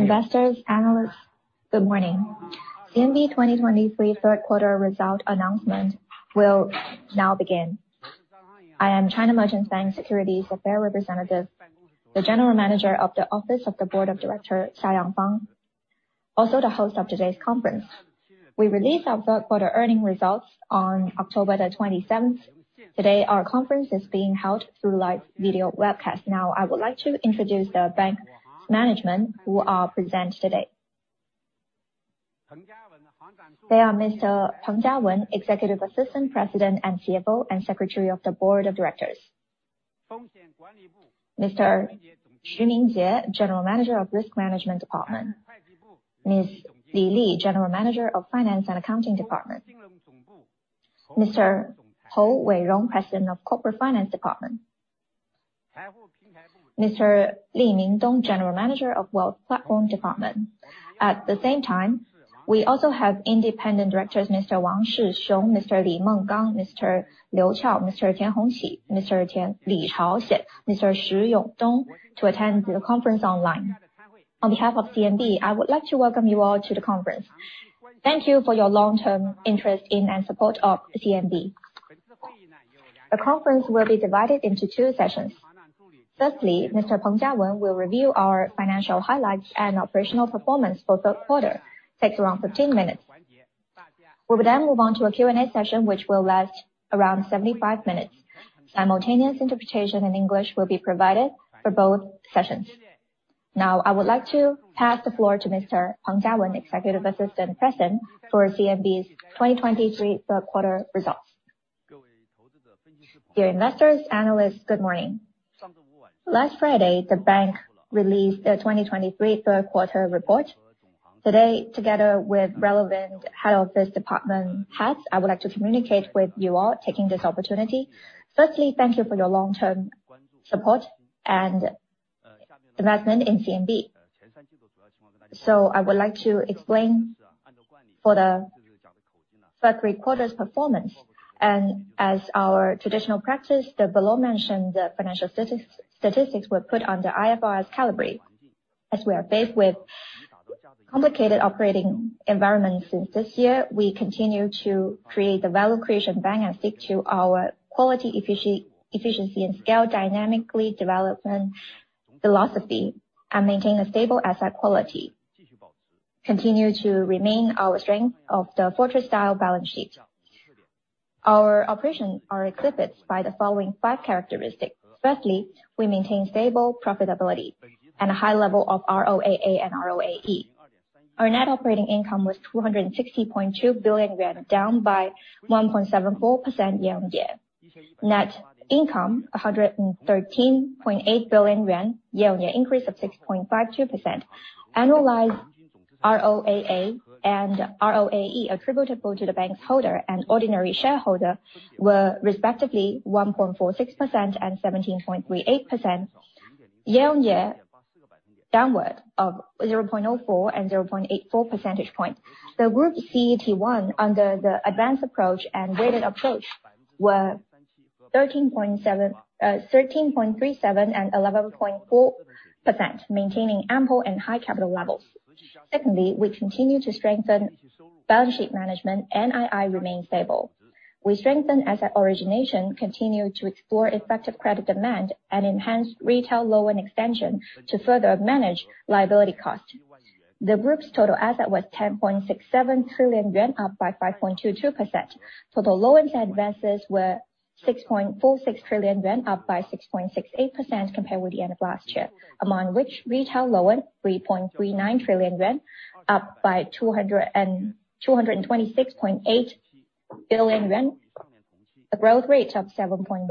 Dear investors, analysts, good morning. CMB 2023 third quarter result announcement will now begin. I am China Merchants Bank Securities affairs representative, the General Manager of the Office of the Board of Directors, Xia Yangfang, also the host of today's conference. We released our third quarter earnings results on October the 27th. Today, our conference is being held through live video webcast. Now, I would like to introduce the bank management who are present today. They are Mr. Peng Jiawen, Executive Assistant President and CFO, and Secretary of the Board of Directors. Mr. Xu Mingjie, General Manager of Risk Management Department. Ms. Li Li, General Manager of Finance and Accounting Department. Mr. Hou Weirong, President of Corporate Finance Department. Mr. Li Mingdong, General Manager of Wealth Platform Department. At the same time, we also have independent directors, Mr. Wang Shixiong, Mr. Li Menggang, Mr. Liu Qiao, Mr. Tian Hongqi, Mr. Li Chaoxian, Mr. Shi Yongdong, to attend the conference online. On behalf of CMB, I would like to welcome you all to the conference. Thank you for your long-term interest in and support of CMB. The conference will be divided into two sessions. Firstly, Mr. Peng Jiawen will review our financial highlights and operational performance for third quarter, takes around 15 minutes. We will then move on to a Q&A session, which will last around 75 minutes. Simultaneous interpretation in English will be provided for both sessions. Now, I would like to pass the floor to Mr. Peng Jiawen, Executive Vice President, for CMB's 2023 third quarter results. Dear investors, analysts, good morning. Last Friday, the bank released the 2023 third quarter report. Today, together with relevant head office department heads, I would like to communicate with you all, taking this opportunity. Firstly, thank you for your long-term support and investment in CMB. I would like to explain for the third quarter's performance, and as our traditional practice, the below mentioned, the financial statistics were put under IFRS caliber. As we are faced with complicated operating environment since this year, we continue to create the value creation bank and stick to our quality, efficiency, and scale, dynamically development philosophy, and maintain a stable asset quality, continue to remain our strength of the fortress-style balance sheet. Our operations are exhibited by the following five characteristics. Firstly, we maintain stable profitability and a high level of ROAA and ROAE. Our net operating income was 260.2 billion yuan, down by 1.74% year-over-year. Net income, 113.8 billion yuan, year-over-year increase of 6.52%. Annualized ROAA and ROAE attributable to the bank's holder and ordinary shareholder were respectively 1.46% and 17.38%, year-on-year downward of 0.04 and 0.84 percentage points. The group CET1 under the advanced approach and weighted approach were 13.7, 13.37 and 11.4%, maintaining ample and high capital levels. Secondly, we continue to strengthen balance sheet management, NII remains stable. We strengthen asset origination, continue to explore effective credit demand, and enhance retail loan extension to further manage liability costs. The group's total asset was 10.67 trillion yuan, up by 5.22%. Total loans and advances were 6.46 trillion yuan, up by 6.68% compared with the end of last year, among which retail loan, 3.39 trillion yuan, up by 226.8 billion yuan, a growth rate of 7.17%.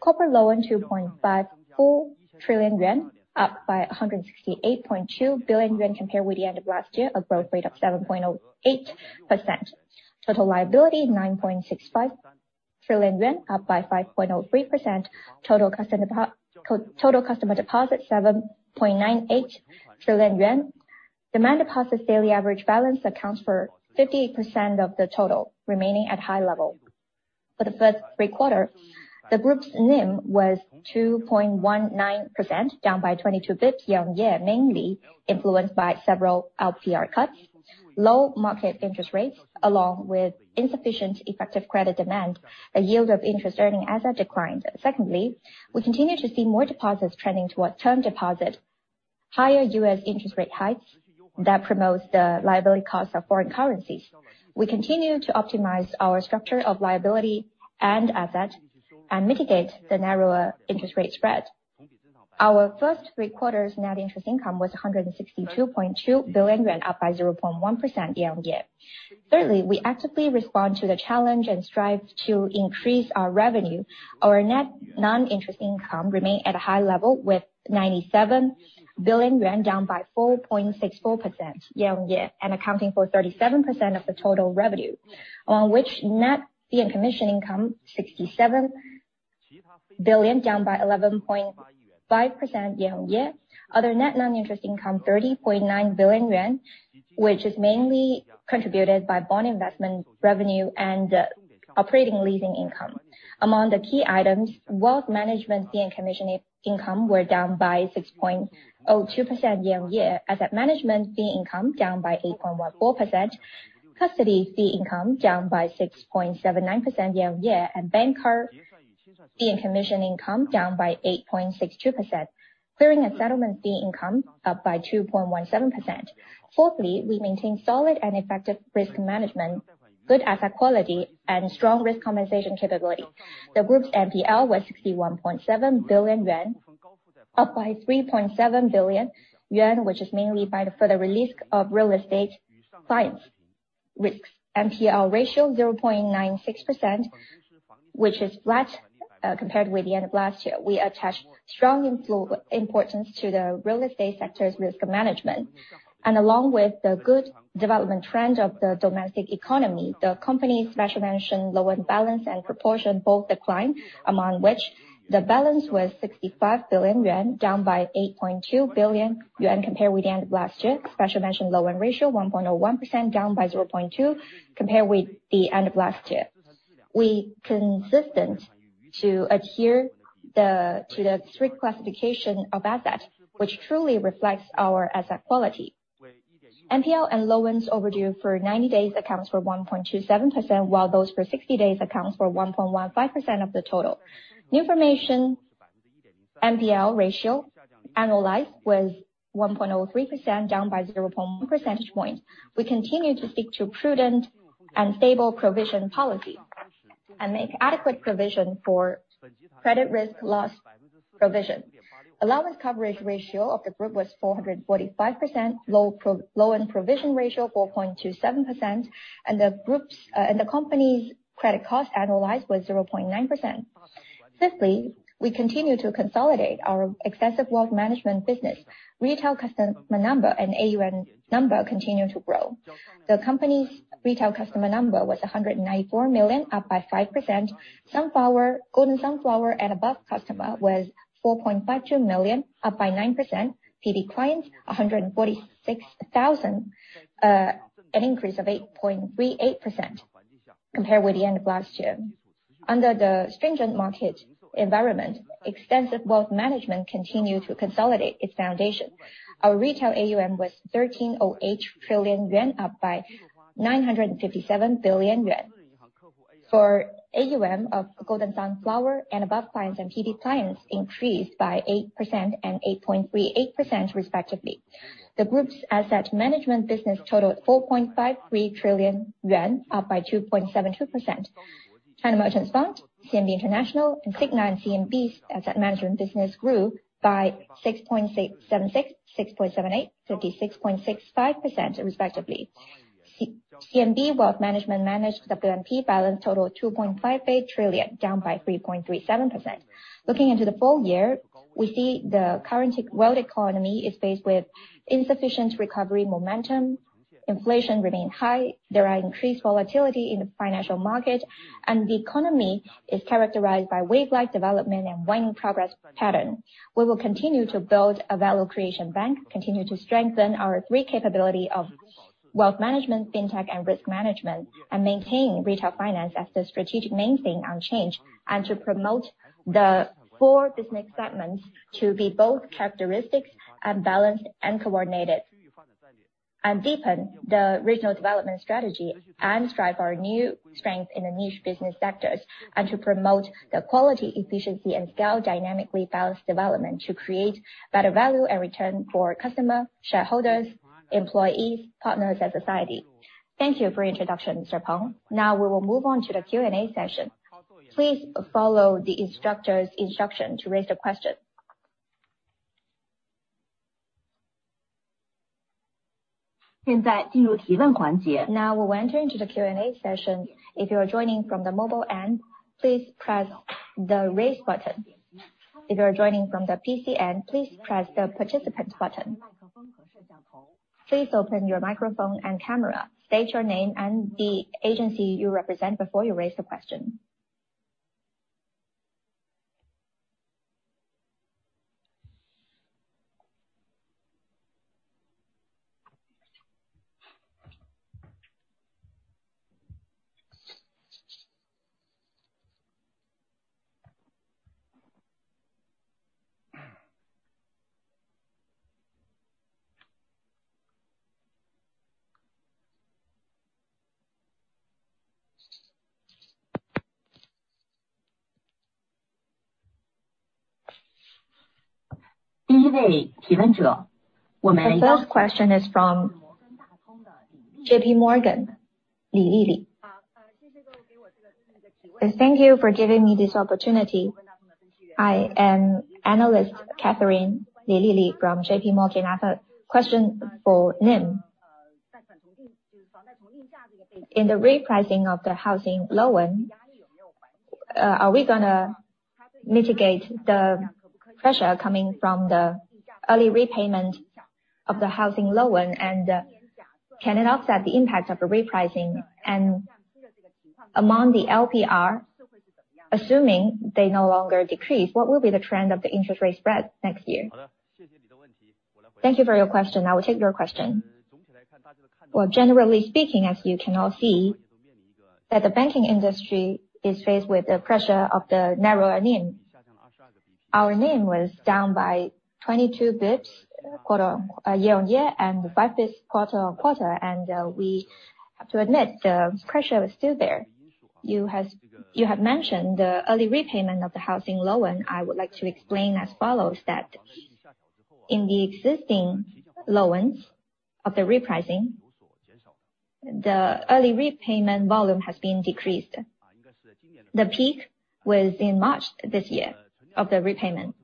Corporate loan, 2.54 trillion yuan, up by 168.2 billion yuan compared with the end of last year, a growth rate of 7.08%. Total liability, 9.65 trillion yuan, up by 5.03%. Total customer deposits, 7.98 trillion yuan. Demand deposits daily average balance accounts for 58% of the total, remaining at high level. For the first three quarters, the group's NIM was 2.19%, down 22 basis points year-on-year, mainly influenced by several LPR cuts, low market interest rates, along with insufficient effective credit demand, a yield of interest-earning asset declines. Secondly, we continue to see more deposits trending towards term deposit. Higher U.S. interest rate hikes, that promotes the liability costs of foreign currencies. We continue to optimize our structure of liability and asset, and mitigate the narrower interest rate spread. Our first three quarters net interest income was 162.2 billion yuan, up 0.1% year-on-year. Thirdly, we actively respond to the challenge and strive to increase our revenue. Our net non-interest income remained at a high level, with 97 billion yuan, down by 4.64% year-on-year, and accounting for 37% of the total revenue, on which net fee and commission income, 67 billion, down by 11.5% year-on-year. Other net non-interest income, 30.9 billion yuan, which is mainly contributed by bond investment revenue and operating leasing income. Among the key items, wealth management fee and commission income were down by 6.02% year-on-year. Asset management fee income down by 8.14%. Custody fee income down by 6.79% year-on-year, and bank card fee and commission income down by 8.62%. Clearing and settlement fee income up by 2.17%. Fourthly, we maintain solid and effective risk management, good asset quality, and strong risk compensation capability. The group's NPL was 61.7 billion yuan, up by 3.7 billion yuan, which is mainly by the further release of real estate sector risks. NPL ratio 0.96%, which is flat compared with the end of last year. We attach strong importance to the real estate sector's risk management, and along with the good development trend of the domestic economy, the company's special mention loan balance and proportion both declined, among which the balance was 65 billion yuan, down by 8.2 billion yuan compared with the end of last year. Special mention loan ratio 1.01%, down by 0.2 compared with the end of last year. We consistently adhere to the strict classification of assets, which truly reflects our asset quality. NPL and loans overdue for 90 days accounts for 1.27%, while those for 60 days accounts for 1.15% of the total. New formation NPL ratio annualized was 1.03%, down by 0.1 percentage point. We continue to stick to prudent and stable provision policy, and make adequate provision for credit risk loss provision. Allowance coverage ratio of the group was 445%, loan provision ratio 4.27%, and the group's and the company's credit cost annualized was 0.9%. Fifthly, we continue to consolidate our extensive wealth management business. Retail customer number and AUM number continue to grow. The company's retail customer number was 194 million, up by 5%. Sunflower, Golden Sunflower and above customers was 4.52 million, up by 9%. PB clients, 146,000, an increase of 8.38% compared with the end of last year. Under the stringent market environment, extensive wealth management continued to consolidate its foundation. Our retail AUM was 13.08 trillion yuan, up by 957 billion yuan. For AUM of Golden Sunflower and above clients and PB clients increased by 8% and 8.38% respectively. The group's asset management business totaled 4.53 trillion yuan, up by 2.72%. China Merchants Fund, CMB International, and CIGNA & CMB's asset management business grew by 6.67%, 6.78%, 36.65% respectively. CMB Wealth Management managed WMP balance totaled 2.58 trillion, down by 3.37%. Looking into the full year, we see the current world economy is faced with insufficient recovery momentum, inflation remains high, there are increased volatility in the financial market, and the economy is characterized by wave-like development and waning progress pattern. We will continue to build a value creation bank, continue to strengthen our three capability of wealth management, fintech and risk management, and maintain retail finance as the strategic main thing unchanged, and to promote the four business segments to be both characteristics and balanced and coordinated, and deepen the regional development strategy, and strive our new strength in the niche business sectors, and to promote the quality, efficiency, and scale dynamically balanced development to create better value and return for customer, shareholders, employees, partners, and society. Thank you for the introduction, Mr. Peng. Now we will move on to the Q&A session. Please follow the instructor's instruction to raise the question. Now, we're entering the Q&A session. If you are joining from the mobile end, please press the Raise button. If you are joining from the PC end, please press the Participant button. Please open your microphone and camera. State your name and the agency you represent before you raise the question. The first question is from J.P. Morgan, Lei. Thank you for giving me this opportunity. I am analyst Katherine Lei from J.P. Morgan Asset. Question for NIM: In the repricing of the housing loan, are we gonna mitigate the pressure coming from the early repayment of the housing loan? Can it offset the impact of the repricing? Among the LPR, assuming they no longer decrease, what will be the trend of the interest rate spread next year? Thank you for your question. I will take your question. Well, generally speaking, as you can all see, that the banking industry is faced with the pressure of the narrow NIM. Our NIM was down by 22 basis points quarter year-on-year, and 5 basis points quarter-on-quarter, and we have to admit, the pressure is still there. You have mentioned the early repayment of the housing loan. I would like to explain as follows: that in the existing loans of the repricing, the early repayment volume has been decreased. The peak was in March this year, of the repayment.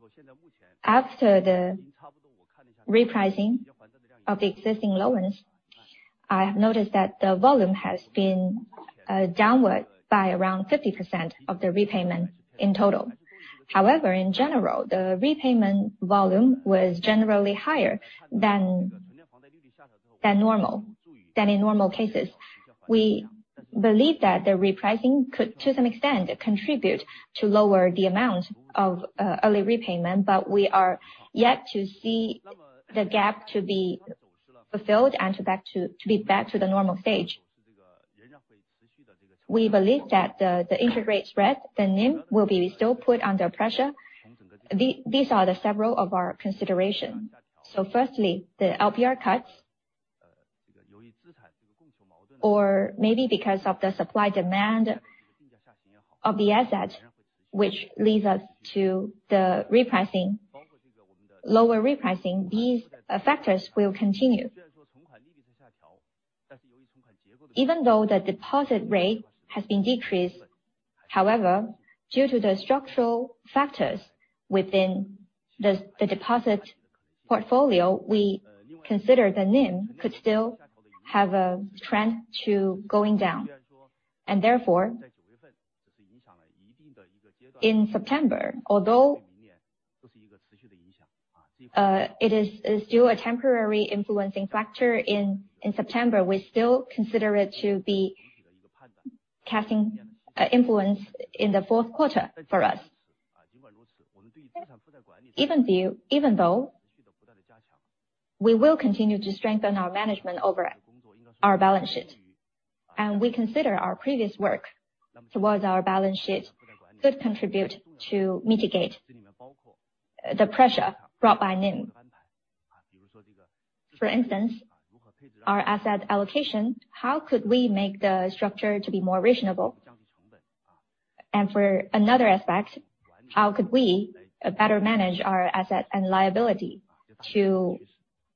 After the repricing of the existing loans, I have noticed that the volume has been downward by around 50% of the repayment in total. However, in general, the repayment volume was generally higher than normal than in normal cases. We believe that the repricing could, to some extent, contribute to lower the amount of early repayment, but we are yet to see the gap to be fulfilled and to back to—to be back to the normal stage. We believe that the interest rate spread, the NIM, will be still put under pressure. These are the several of our consideration. So firstly, the LPR cuts, or maybe because of the supply-demand of the asset, which leads us to the repricing, lower repricing, these factors will continue. Even though the deposit rate has been decreased, however, due to the structural factors within the deposit portfolio, we consider the NIM could still have a trend to going down. Therefore, in September, although it is still a temporary influencing factor in September, we still consider it to be casting influence in the fourth quarter for us. Even though we will continue to strengthen our management over our balance sheet, and we consider our previous work towards our balance sheet could contribute to mitigate the pressure brought by NIM. For instance, our asset allocation, how could we make the structure to be more reasonable? And for another aspect, how could we better manage our asset and liability to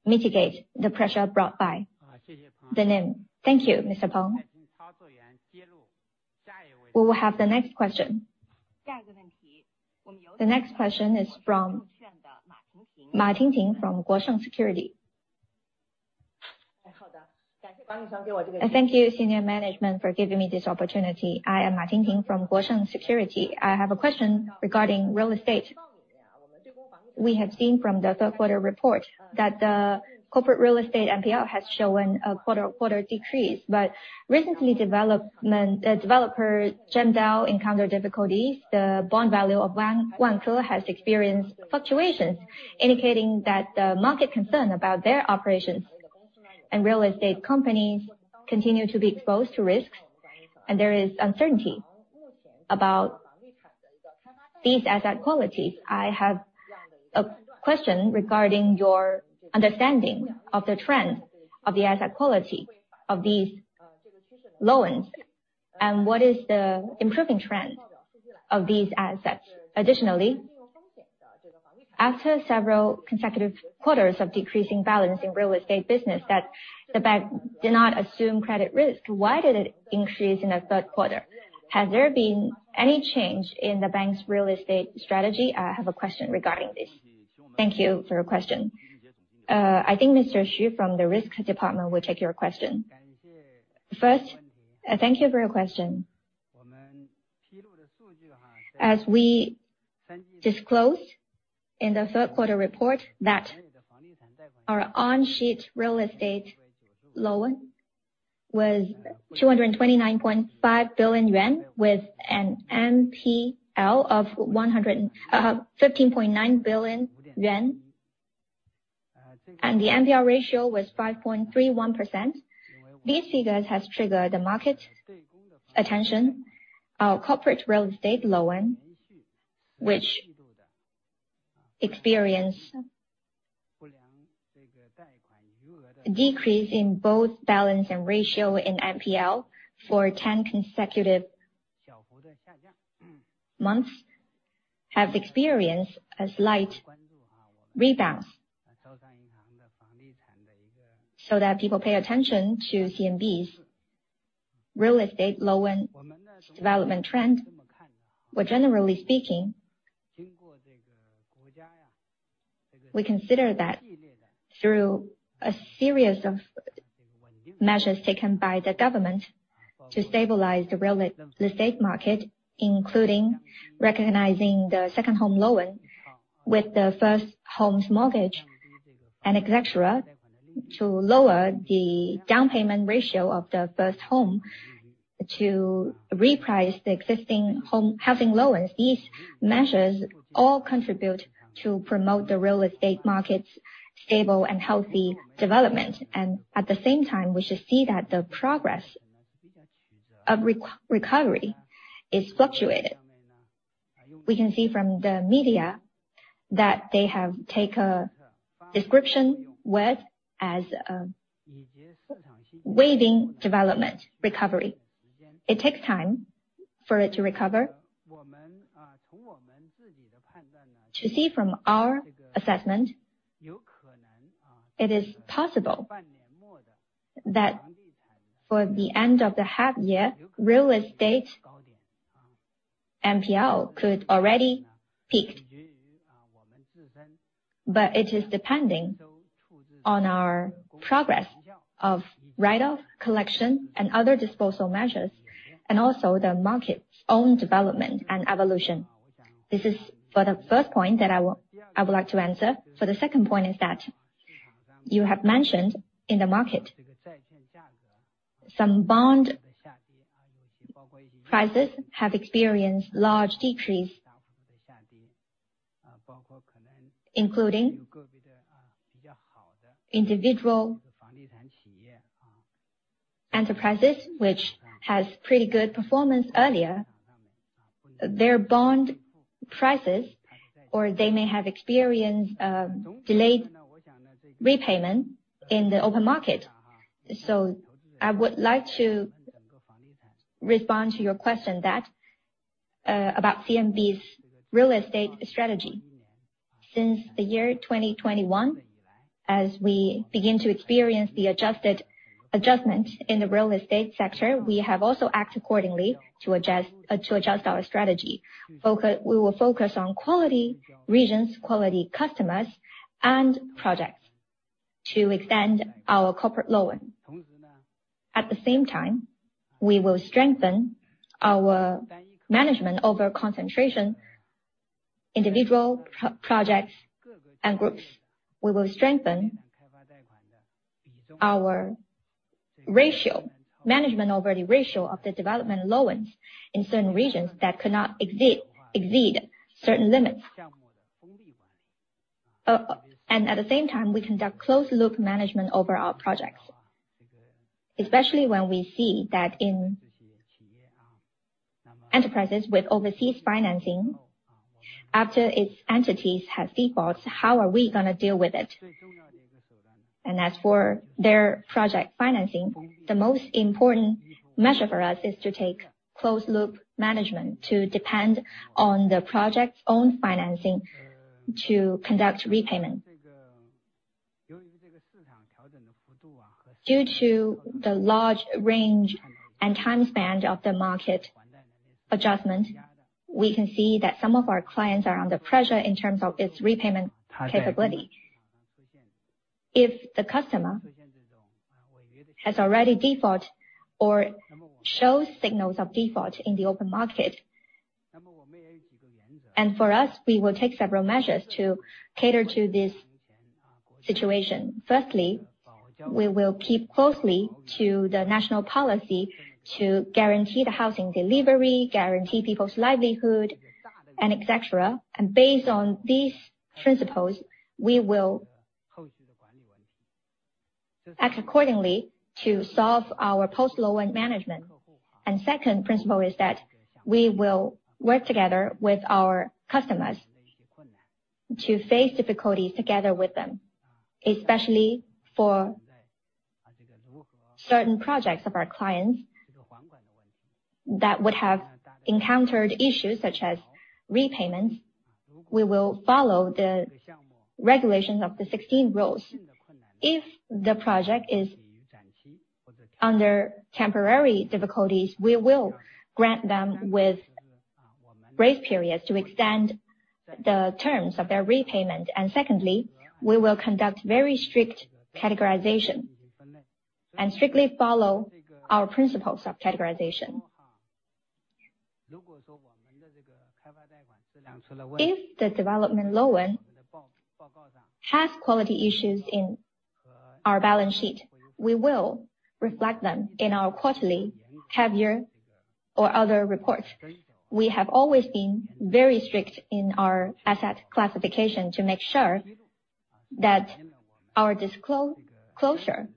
mitigate the pressure brought by the NIM? Thank you, Mr. Peng. We will have the next question. The next question is from Ma Tingting from Guosheng Securities. Thank you, senior management, for giving me this opportunity. I am Ma Tingting from Guosheng Securities. I have a question regarding real estate. We have seen from the third quarter report that the corporate real estate NPL has shown a quarter-on-quarter decrease, but recently development, developer, Kaisa, encountered difficulties. The bond value of Vanke has experienced fluctuations, indicating that the market concern about their operations and real estate companies continue to be exposed to risks, and there is uncertainty about these asset qualities. I have a question regarding your understanding of the trend of the asset quality of these loans, and what is the improving trend of these assets? Additionally, after several consecutive quarters of decreasing balance in real estate business, that the bank did not assume credit risk, why did it increase in the third quarter? Has there been any change in the bank's real estate strategy? I have a question regarding this. Thank you for your question. I think Mr. Xu from the risk department will take your question. First, thank you for your question. As we disclosed in the third quarter report that our on-sheet real estate loan was 229.5 billion yuan, with an NPL of 115.9 billion yuan, and the NPL ratio was 5.31%. These figures has triggered the market attention. Our corporate real estate loan, which experienced a decrease in both balance and ratio in NPL for 10 consecutive months, have experienced a slight rebalance, so that people pay attention to CMB's real estate loan development trend. But generally speaking, we consider that through a series of measures taken by the government to stabilize the real estate market, including recognizing the second home loan with the first home's mortgage and et cetera to lower the down payment ratio of the first home, to reprice the existing home housing loans. These measures all contribute to promote the real estate market's stable and healthy development. At the same time, we should see that the progress of recovery is fluctuated. We can see from the media that they have taken a description as wavy development recovery. It takes time for it to recover. From our assessment, it is possible that by the end of the half year, real estate NPL could already peak. But it is depending on our progress of write-off, collection, and other disposal measures, and also the market's own development and evolution. This is for the first point that I would like to answer. For the second point is that you have mentioned in the market, some bond prices have experienced large decrease, including individual enterprises, which has pretty good performance earlier. Their bond prices, or they may have experienced delayed repayment in the open market. So I would like to respond to your question that about CMB's real estate strategy. Since the year 2021, as we begin to experience the adjustment in the real estate sector, we have also acted accordingly to adjust our strategy. We will focus on quality regions, quality customers, and projects to extend our corporate loan. At the same time, we will strengthen our management over concentration, individual projects and groups. We will strengthen our ratio management over the ratio of the development loans in certain regions that cannot exceed certain limits. And at the same time, we conduct closed-loop management over our projects. Especially when we see that in enterprises with overseas financing, after its entities have defaults, how are we gonna deal with it? And as for their project financing, the most important measure for us is to take closed-loop management, to depend on the project's own financing to conduct repayment. Due to the large range and time span of the market adjustment, we can see that some of our clients are under pressure in terms of its repayment capability. If the customer has already default or shows signals of default in the open market, and for us, we will take several measures to cater to this situation. Firstly, we will keep closely to the national policy to guarantee the housing delivery, guarantee people's livelihood, and et cetera. Based on these principles, we will act accordingly to solve our post-loan management. Second principle is that we will work together with our customers to face difficulties together with them, especially for certain projects of our clients that would have encountered issues such as repayments. We will follow the regulations of the 16 rules. If the project is under temporary difficulties, we will grant them with grace periods to extend the terms of their repayment. Secondly, we will conduct very strict categorization and strictly follow our principles of categorization. If the development loan has quality issues in our balance sheet, we will reflect them in our quarterly, half year, or other reports. We have always been very strict in our asset classification to make sure that our disclosure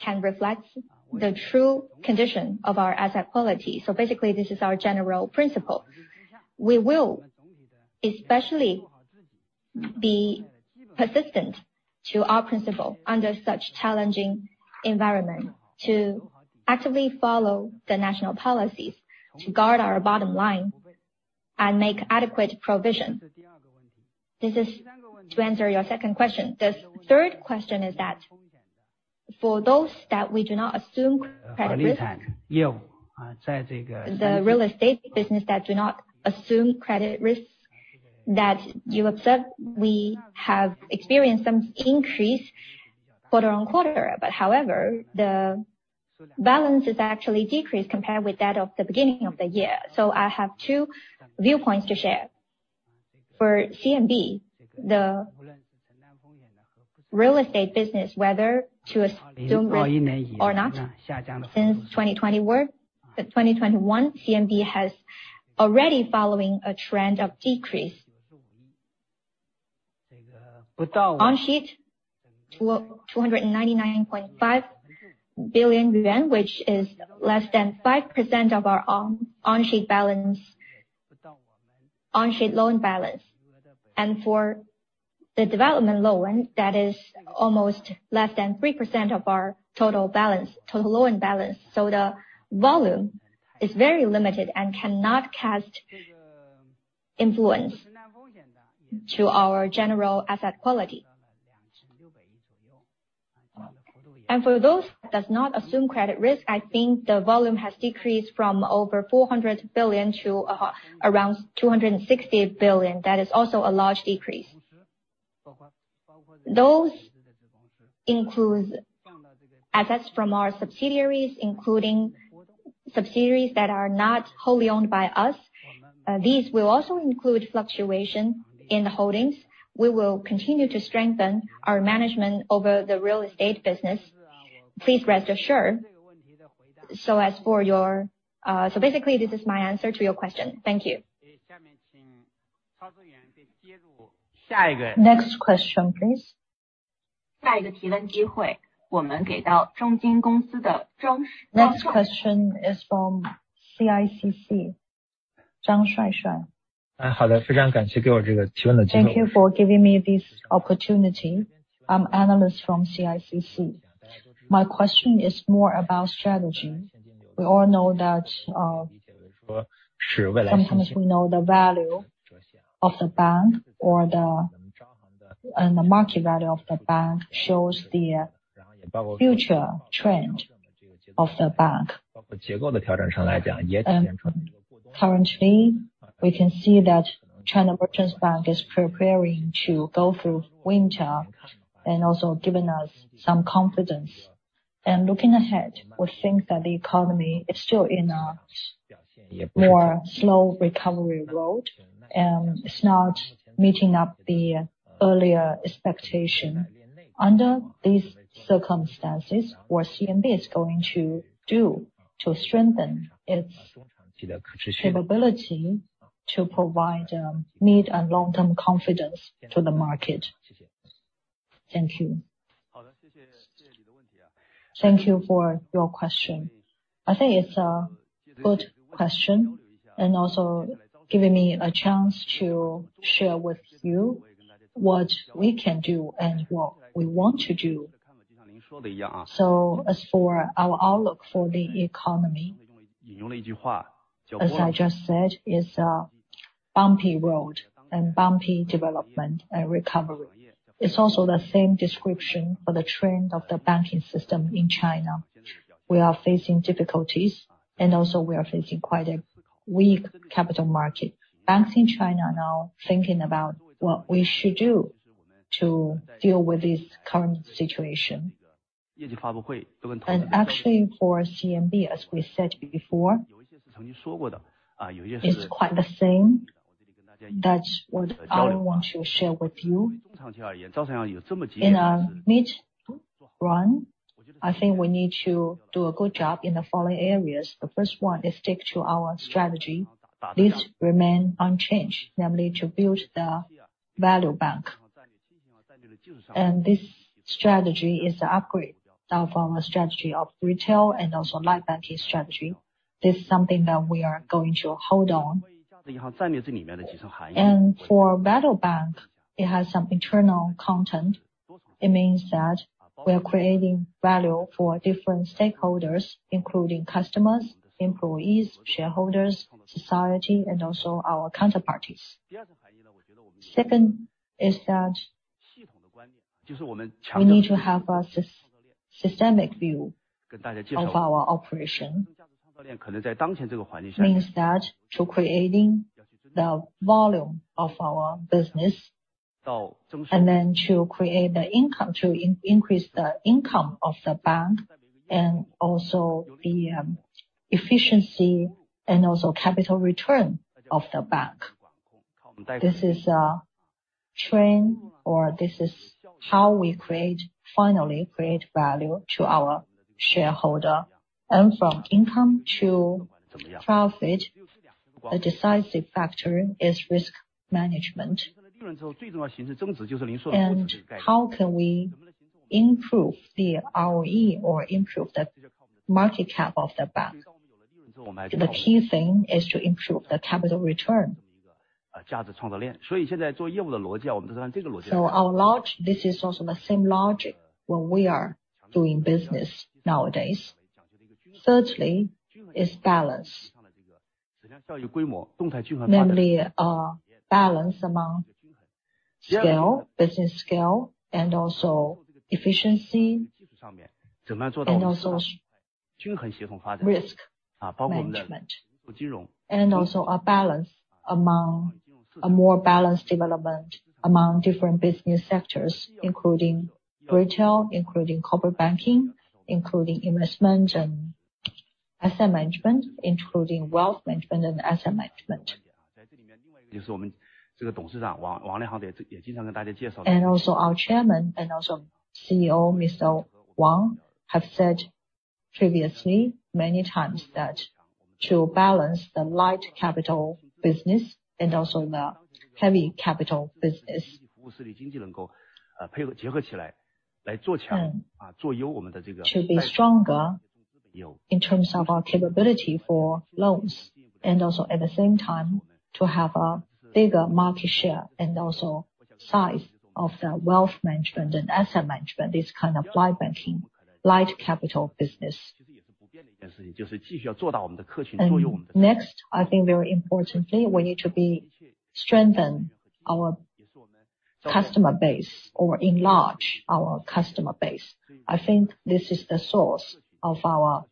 can reflect the true condition of our asset quality. Basically, this is our general principle. We will especially be persistent to our principle under such challenging environment, to actively follow the national policies, to guard our bottom line and make adequate provision. This is to answer your second question. The third question is that for those that we do not assume credit risk, the real estate business that do not assume credit risk, that you observe, we have experienced some increase quarter on quarter. But however, the balance is actually decreased compared with that of the beginning of the year. So I have two viewpoints to share. For CMB, the real estate business, whether to assume it or not, since 2020 work, the 2021, CMB has already following a trend of decrease. On-sheet, 299.5 billion yuan, which is less than 5% of our on-sheet balance, on-sheet loan balance. And for the development loan, that is almost less than 3% of our total balance, total loan balance. So the volume is very limited and cannot cast influence to our general asset quality. And for those that does not assume credit risk, I think the volume has decreased from over 400 billion to around 260 billion. That is also a large decrease. Those includes assets from our subsidiaries, including subsidiaries that are not wholly owned by us. These will also include fluctuation in the holdings. We will continue to strengthen our management over the real estate business. Please rest assured. So as for your, So basically, this is my answer to your question. Thank you. Next question, please. Next question is from CICC, Zhang Shuaishuai. Thank you for giving me this opportunity. I'm analyst from CICC. My question is more about strategy. We all know that, sometimes we know the value of the bank or the, and the market value of the bank shows the future trend of the bank. Currently, we can see that China Merchants Bank is preparing to go through winter and also giving us some confidence. And looking ahead, we think that the economy is still in a more slow recovery road, and it's not meeting up the earlier expectation. Under these circumstances, what CMB is going to do to strengthen its capability to provide, mid and long-term confidence to the market? Thank you. Thank you for your question. I think it's a good question, and also giving me a chance to share with you what we can do and what we want to do. So as for our outlook for the economy, as I just said, is a bumpy road and bumpy development and recovery. It's also the same description for the trend of the banking system in China. We are facing difficulties, and also we are facing quite a weak capital market. Banks in China are now thinking about what we should do to deal with this current situation. And actually, for CMB, as we said before, it's quite the same. That's what I want to share with you. In a mid run, I think we need to do a good job in the following areas. The first one is stick to our strategy. This remain unchanged, namely to build the value bank. This strategy is an upgrade from a strategy of retail and also light banking strategy. This is something that we are going to hold on. For value bank, it has some internal content. It means that we are creating value for different stakeholders, including customers, employees, shareholders, society, and also our counterparties. Second is that we need to have a systemic view of our operation. Means that to creating the volume of our business, and then to create the income, to increase the income of the bank, and also the efficiency and also capital return of the bank. This is a trend, or this is how we create, finally, create value to our shareholder. From income to profit, the decisive factor is risk management. How can we improve the ROE or improve the market cap of the bank? The key thing is to improve the capital return. So our logic, this is also the same logic when we are doing business nowadays. Thirdly, is balance. Namely, a balance among scale, business scale, and also efficiency, and also risk management, and also a balance among a more balanced development among different business sectors, including retail, including corporate banking, including investment asset management, including wealth management and asset management. And also our Chairman and CEO, Mr. Wang, have said previously many times that to balance the light capital business and also the heavy capital business. And to be stronger in terms of our capability for loans, and also at the same time, to have a bigger market share, and also size of the wealth management and asset management, this kind of light banking, light capital business. Next, I think very importantly, we need to strengthen our customer base or enlarge our customer base. I think this is the source of our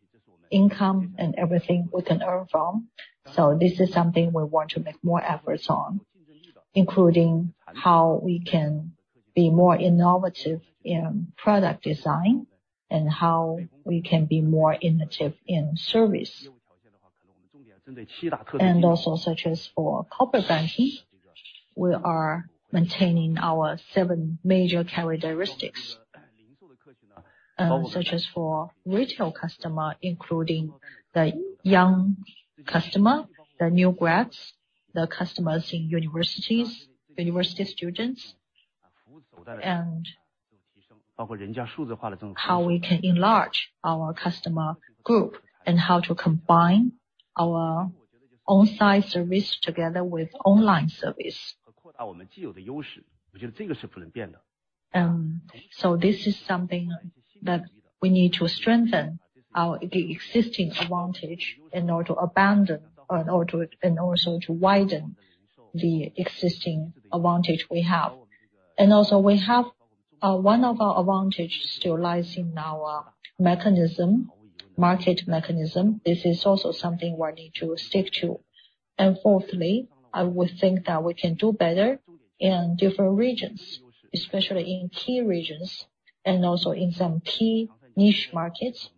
income and everything we can earn from. So this is something we want to make more efforts on, including how we can be more innovative in product design and how we can be more innovative in service. And also such as for corporate banking, we are maintaining our seven major characteristics. Such as for retail customer, including the young customer, the new grads, the customers in universities, university students, and how we can enlarge our customer group, and how to combine our on-site service together with online service. So this is something that we need to strengthen our, the existing advantage in order to abandon, or in order to and also to widen the existing advantage we have. And also, we have one of our advantage still lies in our mechanism, market mechanism. This is also something we need to stick to. And fourthly, I would think that we can do better in different regions, especially in key regions and also in some key niche markets,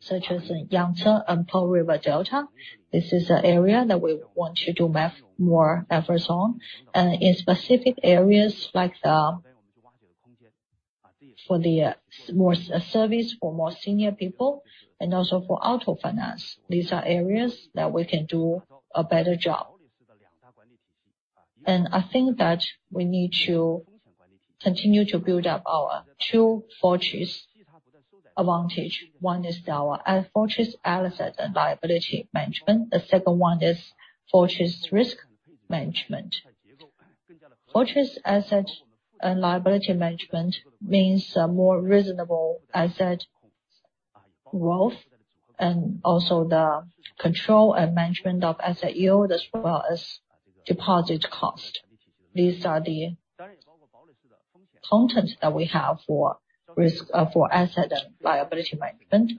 such as in Yangtze River Delta and Pearl River Delta. This is an area that we want to do more efforts on. And in specific areas, like, for the more service for more senior people and also for auto finance. These are areas that we can do a better job. And I think that we need to continue to build up our two fortress advantage. One is our fortress asset and liability management. The second one is fortress risk management. Fortress asset and liability management means a more reasonable asset growth, and also the control and management of asset yield, as well as deposit cost. These are the content that we have for risk, for asset and liability management.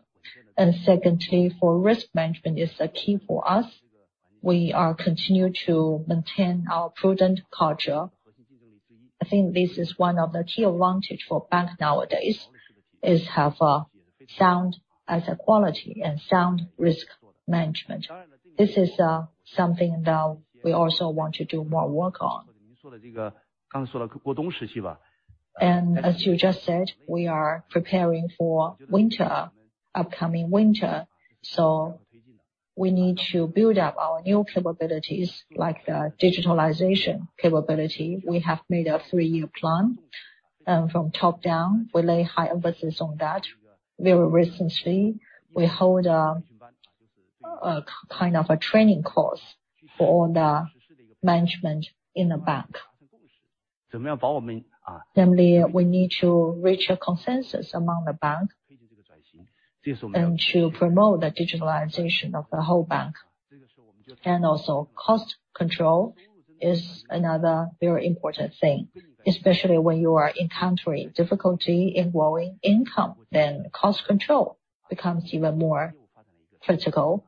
And secondly, for risk management is a key for us. We are continue to maintain our prudent culture. I think this is one of the key advantage for bank nowadays, is have a sound asset quality and sound risk management. This is, something that we also want to do more work on. And as you just said, we are preparing for winter, upcoming winter, so we need to build up our new capabilities, like the digitalization capability. We have made a three-year plan, and from top down, we lay high emphasis on that. Very recently, we hold a kind of training course for the management in the bank. Then we need to reach a consensus among the bank, and to promote the digitalization of the whole bank. Also, cost control is another very important thing, especially when you are encountering difficulty in growing income; then cost control becomes even more critical.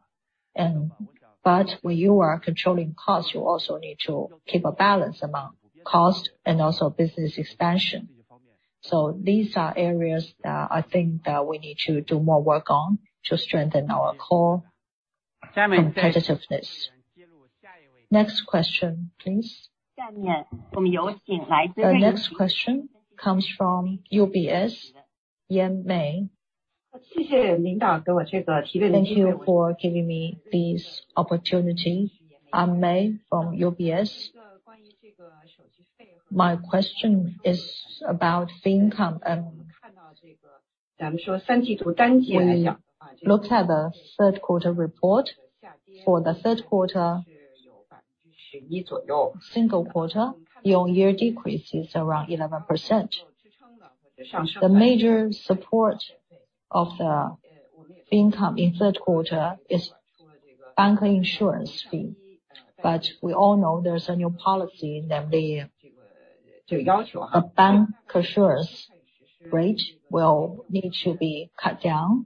But when you are controlling costs, you also need to keep a balance among cost and also business expansion. So these are areas that I think that we need to do more work on to strengthen our core competitiveness. Next question, please. The next question comes from UBS, Yan May. Thank you for giving me this opportunity. I'm Mei from UBS. My question is about fee income, and when you look at the third quarter report, for the third quarter, single quarter, your year decrease is around 11%. The major support of the fee income in third quarter is bancassurance fee. But we all know there's a new policy that the bancassurance rate will need to be cut down.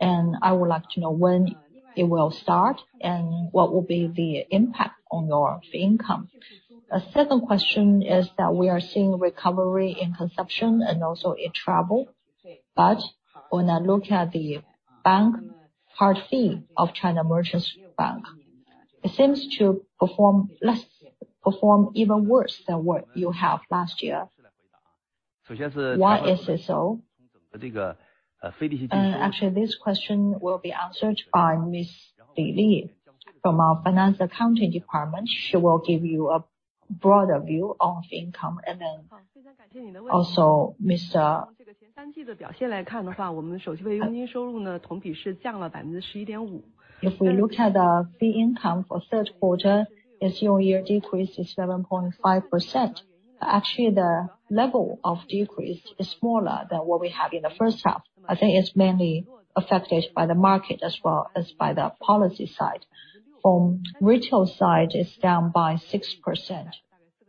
And I would like to know when it will start, and what will be the impact on your fee income? A second question is that we are seeing recovery in consumption and also in travel. But when I look at the bank card fee of China Merchants Bank, it seems to perform even worse than what you have last year. Why is this so? And actually, this question will be answered by Ms. Li from our Finance and Accounting Department. She will give you a broader view of the income, and then also Mr- If we look at the fee income for third quarter, its year-on-year decrease is 7.5%. Actually, the level of decrease is smaller than what we have in the first half. I think it's mainly affected by the market as well as by the policy side. From retail side, it's down by 6%,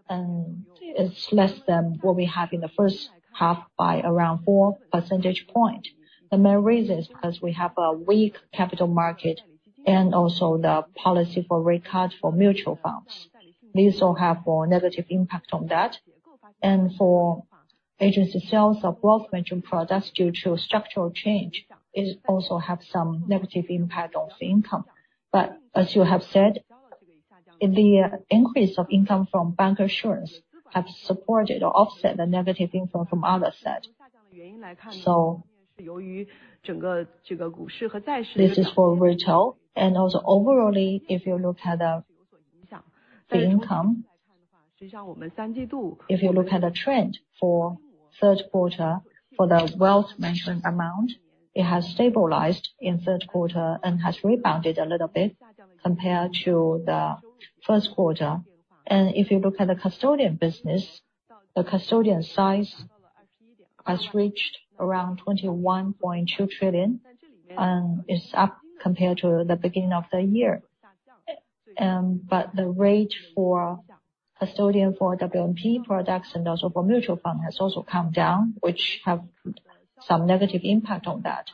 and it's less than what we have in the first half by around 4 percentage points. The main reason is because we have a weak capital market and also the policy for rate cut for mutual funds. These all have a negative impact on that. For agency sales of wealth management products, due to structural change, it also has some negative impact on the income. But as you have said, the increase of income from bancassurance have supported or offset the negative income from other side. So this is for retail. And also overall, if you look at the income, if you look at the trend for third quarter, for the wealth management amount, it has stabilized in third quarter and has rebounded a little bit compared to the first quarter. And if you look at the custodian business, the custodian size has reached around 21.2 trillion, and it's up compared to the beginning of the year. But the rate for custodian, for WMP products and also for mutual fund has also come down, which have some negative impact on that.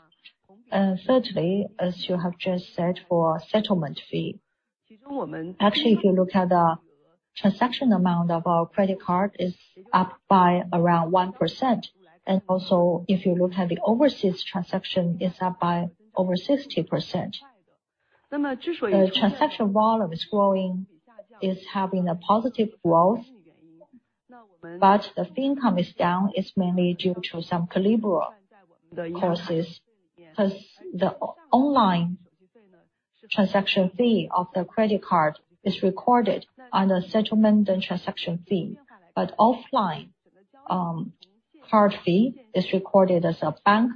And thirdly, as you have just said, for settlement fee, actually, if you look at the transaction amount of our credit card, is up by around 1%. Also, if you look at the overseas transaction, it's up by over 60%. The transaction volume is growing, is having a positive growth, but the fee income is down. It's mainly due to some caliber causes, 'cause the online transaction fee of the credit card is recorded on the settlement and transaction fee, but offline, card fee is recorded as a bank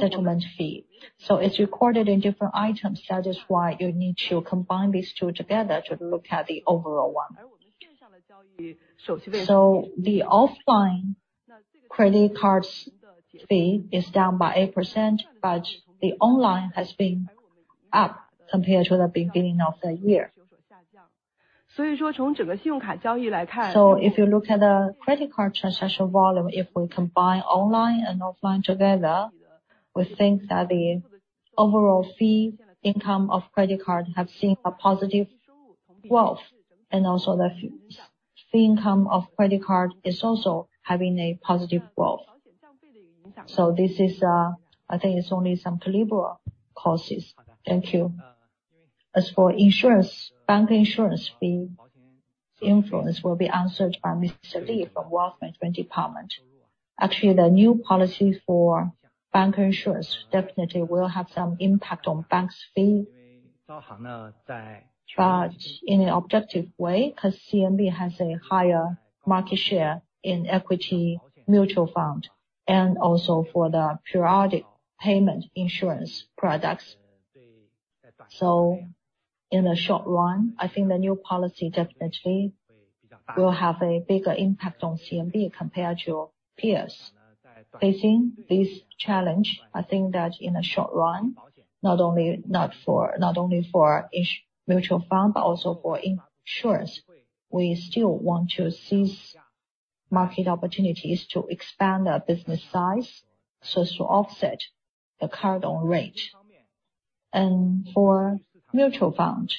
settlement fee. So it's recorded in different items. That is why you need to combine these two together to look at the overall one. So the offline credit cards fee is down by 8%, but the online has been up compared to the beginning of the year. So if you look at the credit card transaction volume, if we combine online and offline together, we think that the overall fee income of credit card have seen a positive growth, and also the fee income of credit card is also having a positive growth. So this is, I think it's only some caliber causes. Thank you. As for insurance, bancassurance fee influence will be answered by Mr. Li from Wealth Management department. Actually, the new policy for bancassurance definitely will have some impact on bank's fee. But in an objective way, 'cause CMB has a higher market share in equity mutual fund, and also for the periodic payment insurance products. So in the short run, I think the new policy definitely will have a bigger impact on CMB compared to peers. Facing this challenge, I think that in the short run, not only, not for, not only for each mutual fund, but also for insurance, we still want to seize market opportunities to expand our business size so as to offset the cut on rate. For mutual fund,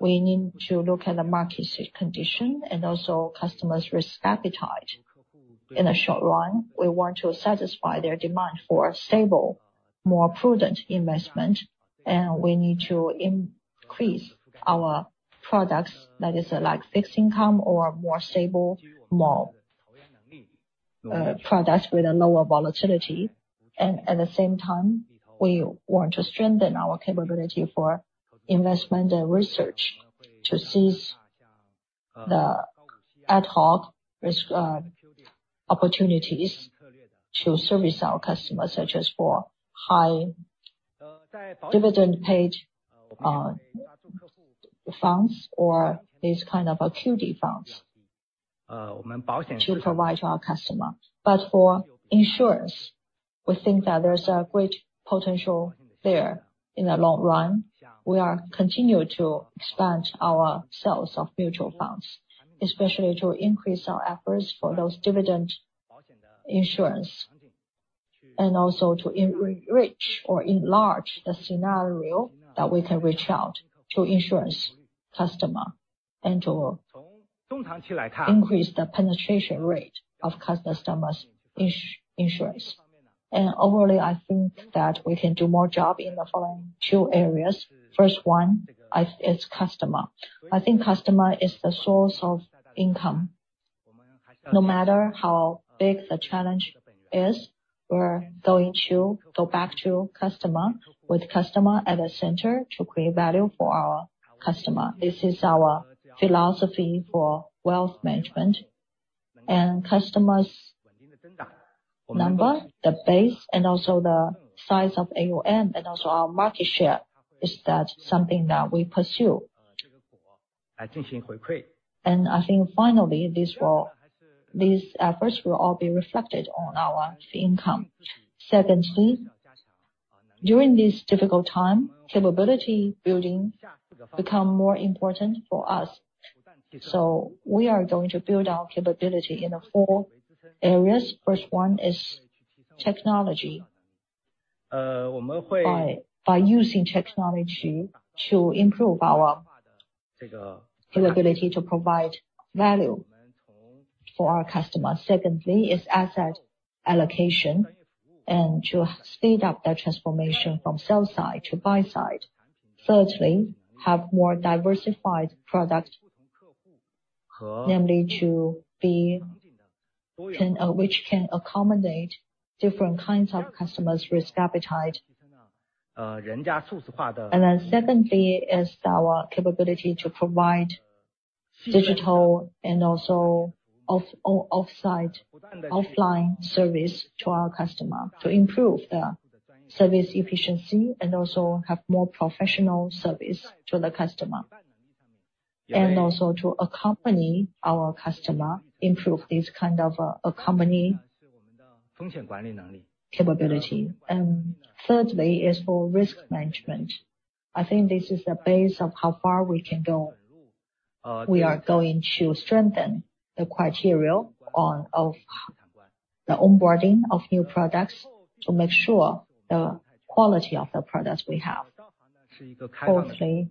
we need to look at the market condition and also customers' risk appetite. In the short run, we want to satisfy their demand for a stable, more prudent investment, and we need to increase our products, that is, like, fixed income or more stable model, products with a lower volatility. At the same time, we want to strengthen our capability for investment and research to seize the ad hoc risk opportunities to service our customers, such as for high dividend paid funds, or these kind of equity funds, to provide to our customer. But for insurance, we think that there's a great potential there in the long run. We are continued to expand our sales of mutual funds, especially to increase our efforts for those dividend insurance, and also to enrich or enlarge the scenario that we can reach out to insurance customer and to increase the penetration rate of customers' insurance. And overall, I think that we can do more job in the following two areas. First one is customer. I think customer is the source of income. No matter how big the challenge is, we're going to go back to customer, with customer at the center to create value for our customer. This is our philosophy for wealth management. And customers' number, the base, and also the size of AUM, and also our market share, is that something that we pursue. And I think finally, this will—these efforts will all be reflected on our fee income. Secondly, during this difficult time, capability building become more important for us. So we are going to build our capability in the four areas. First one is technology. By using technology to improve our ability to provide value for our customers. Secondly is asset allocation, and to speed up the transformation from sell side to buy side. Thirdly, have more diversified product, namely to be—and which can accommodate different kinds of customers' risk appetite. And then seventhly is our capability to provide digital and also offsite, offline service to our customer, to improve the service efficiency and also have more professional service to the customer. And also to accompany our customer, improve this kind of accompany capability. And thirdly is for risk management. I think this is the basis of how far we can go. We are going to strengthen the criteria on, of the onboarding of new products to make sure the quality of the products we have. Fourthly,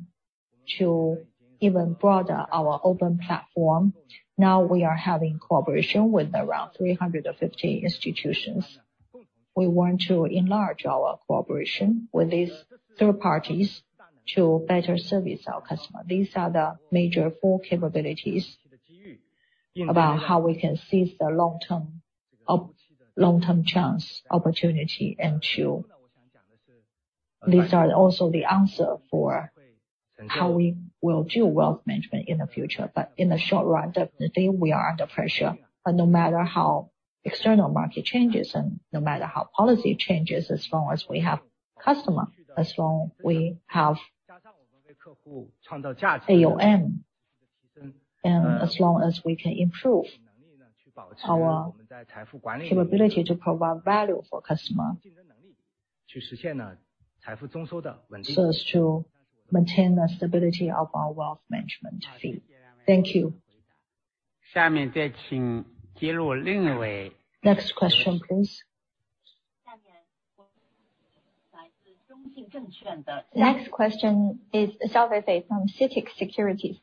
to even broaden our open platform. Now we are having cooperation with around 350 institutions. We want to enlarge our cooperation with these third parties to better service our customer. These are the major four capabilities about how we can seize the long-term opportunity. These are also the answer for how we will do wealth management in the future. But in the short run, definitely, we are under pressure. No matter how external market changes, and no matter how policy changes, as long as we have customer, as long we have AUM, and as long as we can improve our capability to provide value for customer, so as to maintain the stability of our wealth management fee. Thank you. Next question, please. The next question is, is from CITIC Securities.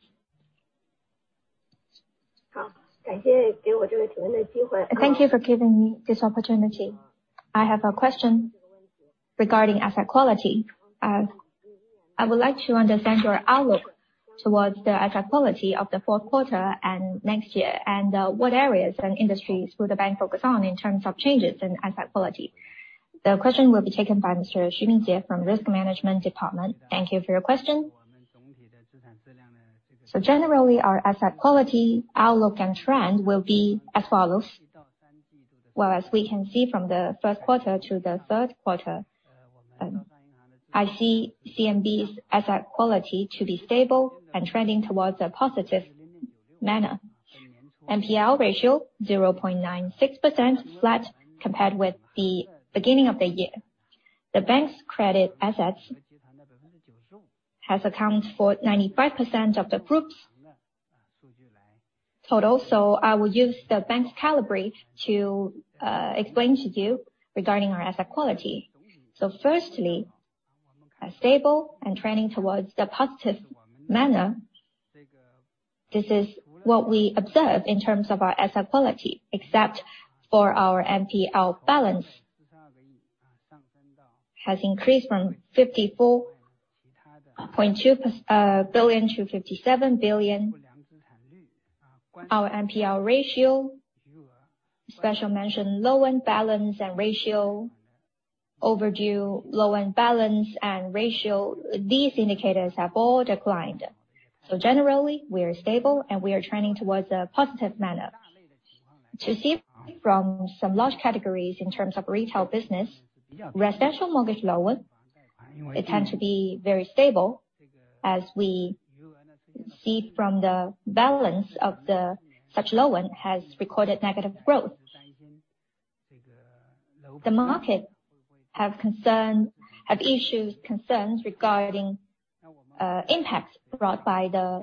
Thank you for giving me this opportunity. I have a question regarding asset quality. I would like to understand your outlook towards the asset quality of the fourth quarter and next year, and, what areas and industries will the bank focus on in terms of changes in asset quality? The question will be taken by Mr. Xu Mingjie from Risk Management Department. Thank you for your question. So generally, our asset quality outlook and trend will be as follows. Well, as we can see from the first quarter to the third quarter, I see CMB's asset quality to be stable and trending towards a positive manner. NPL ratio, 0.96% flat, compared with the beginning of the year. The bank's credit assets has accounted for 95% of the group's total, so I will use the bank's caliber to explain to you regarding our asset quality. So firstly, a stable and trending towards the positive manner. This is what we observe in terms of our asset quality, except for our NPL balance, has increased from 54.2 billion to 57 billion. Our NPL ratio, special mention, low-end balance and ratio, overdue low-end balance and ratio, these indicators have all declined. So generally, we are stable, and we are trending towards a positive manner. To see from some large categories in terms of retail business, residential mortgage loan, it tends to be very stable, as we see from the balance of the such loan has recorded negative growth. The market have concern have issues, concerns regarding impacts brought by the-...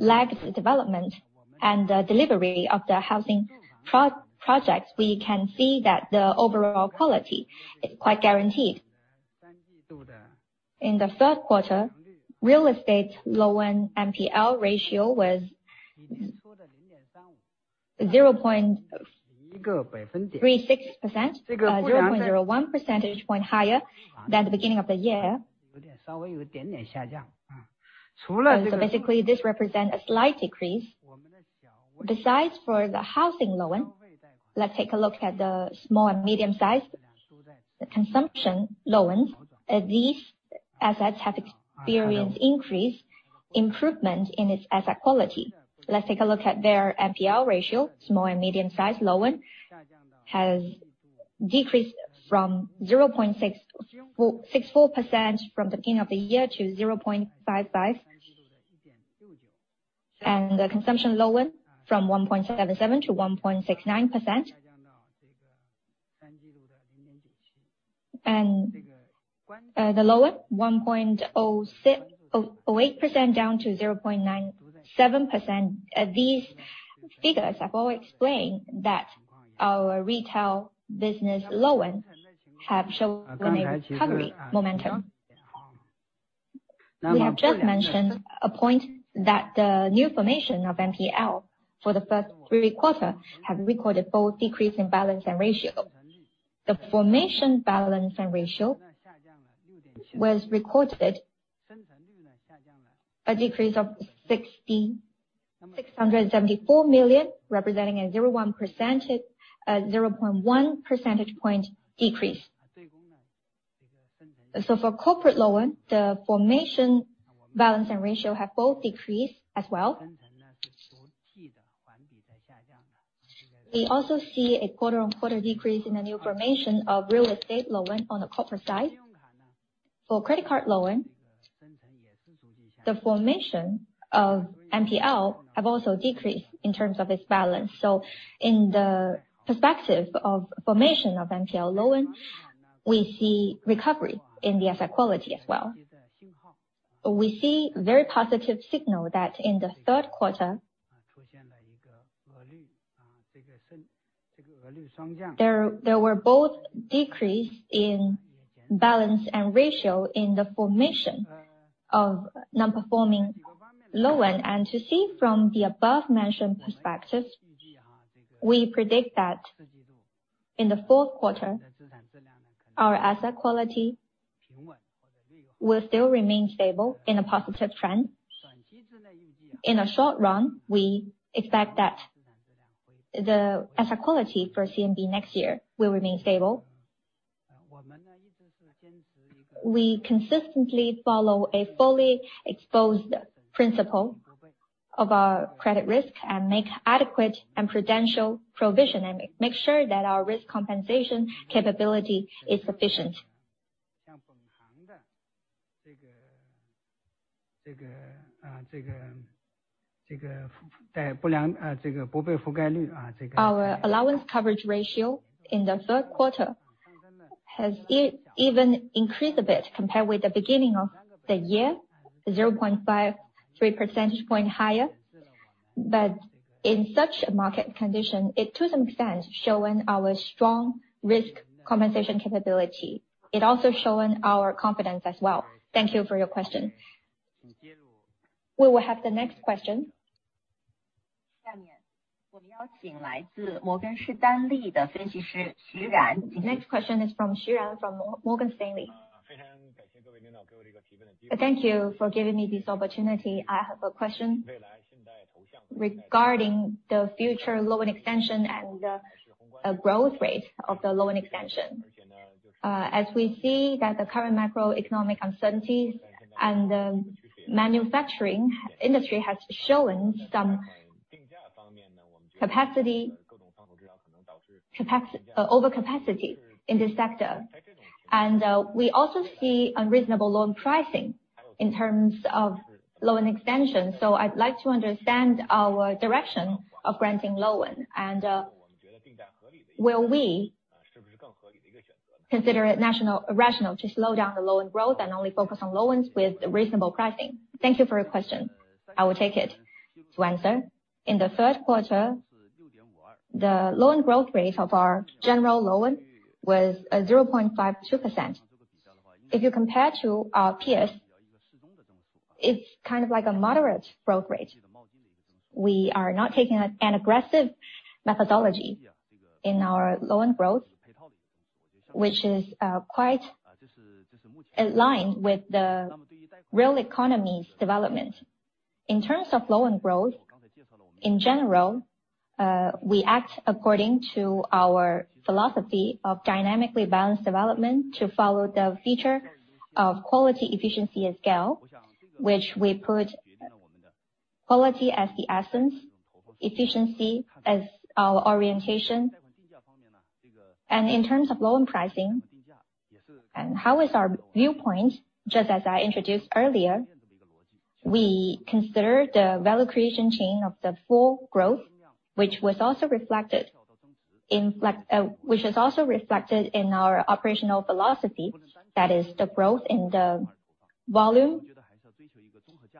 lags development and the delivery of the housing projects, we can see that the overall quality is quite guaranteed. In the third quarter, real estate loan NPL ratio was 0.36%, 0.01 percentage point higher than the beginning of the year. So basically, this represent a slight decrease. Besides, for the housing loan, let's take a look at the small and medium-sized. The consumption loans, these assets have experienced increase, improvement in its asset quality. Let's take a look at their NPL ratio. Small and medium-sized loan has decreased from 0.664% from the beginning of the year to 0.55. And the consumption loan from 1.77% to 1.69%. Consumer loan 1.06% down 0.08% to 0.97%. These figures have all explained that our retail business loan have shown a recovery momentum. We have just mentioned a point that the new formation of NPL for the first three quarter have recorded both decrease in balance and ratio. The formation balance and ratio was recorded a decrease of 6,674 million, representing a 0.1 percentage point decrease. So for corporate loan, the formation, balance, and ratio have both decreased as well. We also see a quarter-on-quarter decrease in the new formation of real estate loan on the corporate side. For credit card loan, the formation of NPL have also decreased in terms of its balance. So in the perspective of formation of NPL loan, we see recovery in the asset quality as well. We see very positive signal that in the third quarter, there were both decrease in balance and ratio in the formation of non-performing loan. And to see from the above mentioned perspectives, we predict that in the fourth quarter, our asset quality will still remain stable in a positive trend. In the short run, we expect that the asset quality for CMB next year will remain stable. We consistently follow a fully exposed principle of our credit risk and make adequate and prudential provision, and make sure that our risk compensation capability is sufficient. Our allowance coverage ratio in the third quarter has even increased a bit compared with the beginning of the year, 0.53 percentage point higher. But in such a market condition, it to some extent showing our strong risk compensation capability. It also showing our confidence as well. Thank you for your question. We will have the next question. Next question is from Xu Ran from Morgan Stanley. Thank you for giving me this opportunity. I have a question regarding the future loan extension and growth rate of the loan extension. As we see that the current macroeconomic uncertainties and the manufacturing industry has shown some overcapacity in this sector. And we also see unreasonable loan pricing in terms of loan extension. So I'd like to understand our direction of granting loan, and will we consider it rational to slow down the loan growth and only focus on loans with reasonable pricing? Thank you for your question. I will take it. To answer, in the third quarter, the loan growth rate of our general loan was 0.52%. If you compare to our peers, it's kind of like a moderate growth rate. We are not taking an aggressive methodology in our loan growth, which is quite aligned with the real economy's development. In terms of loan growth, in general, we act according to our philosophy of dynamically balanced development to follow the feature of quality, efficiency, and scale, which we put quality as the essence, efficiency as our orientation. And in terms of loan pricing and how is our viewpoint, just as I introduced earlier, we consider the value creation chain of the full growth, which was also reflected in like, which is also reflected in our operational philosophy. That is the growth in the volume,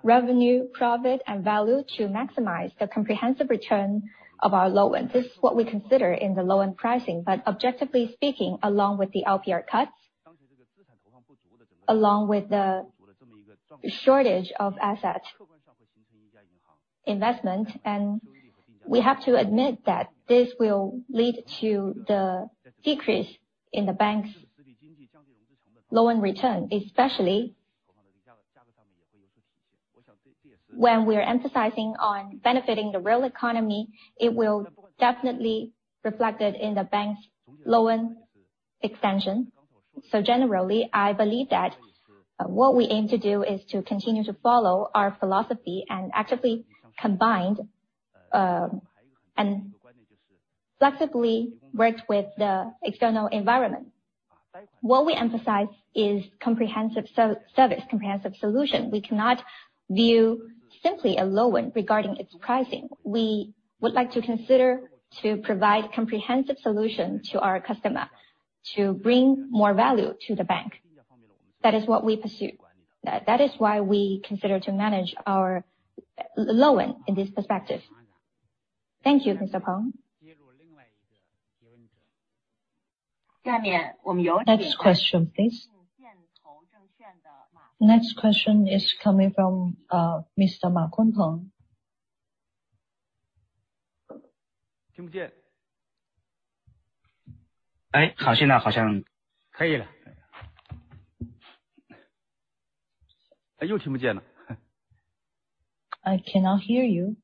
revenue, profit, and value to maximize the comprehensive return of our loan. This is what we consider in the loan pricing, but objectively speaking, along with the LPR cuts, along with the shortage of asset investment, and we have to admit that this will lead to the decrease in the bank's loan return, especially when we're emphasizing on benefiting the real economy, it will definitely reflected in the bank's loan extension. So generally, I believe that, what we aim to do is to continue to follow our philosophy and actively combined, and flexibly work with the external environment. What we emphasize is comprehensive service, comprehensive solution. We cannot view simply a loan regarding its pricing. We would like to consider to provide comprehensive solution to our customer to bring more value to the bank. That is what we pursue. That is why we consider to manage our loan in this perspective. Thank you, Mr. Peng. Next question, please. Next question is coming from Mr. Kun Peng. I cannot hear you.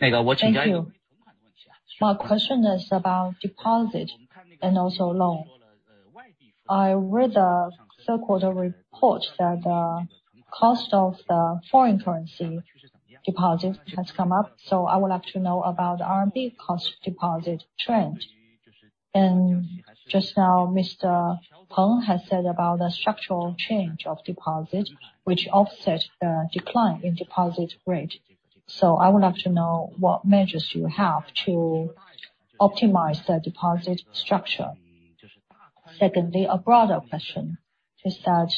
Thank you. My question is about deposit and also loan. I read a so-called report that cost of the foreign currency deposit has come up, so I would like to know about RMB cost deposit trend. And just now, Mr. Peng has said about the structural change of deposit, which offset the decline in deposit rate. So I would like to know what measures you have to optimize the deposit structure. Secondly, a broader question is that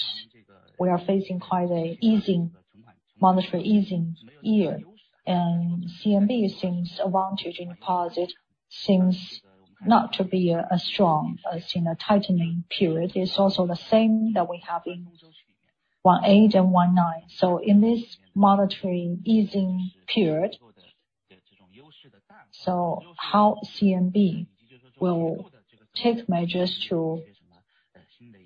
we are facing quite a easing, monetary easing year, and CMB seems advantage in deposit, seems not to be as strong as in a tightening period. It's also the same that we have in 2018 and 2019. In this monetary easing period, how CMB will take measures to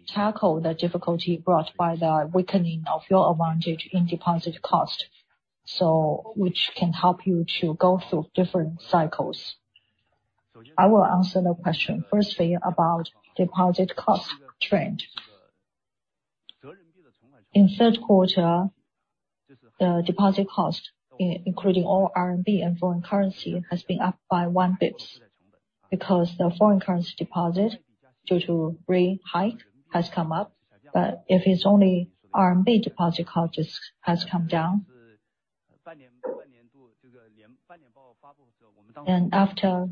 tackle the difficulty brought by the weakening of your advantage in deposit cost, which can help you to go through different cycles? I will answer the question. Firstly, about deposit cost trend. In third quarter, the deposit cost, including all CNY and foreign currency, has been up by 1 basis point, because the foreign currency deposit, due to rate hike, has come up. If it's only CNY, deposit cost just has come down. After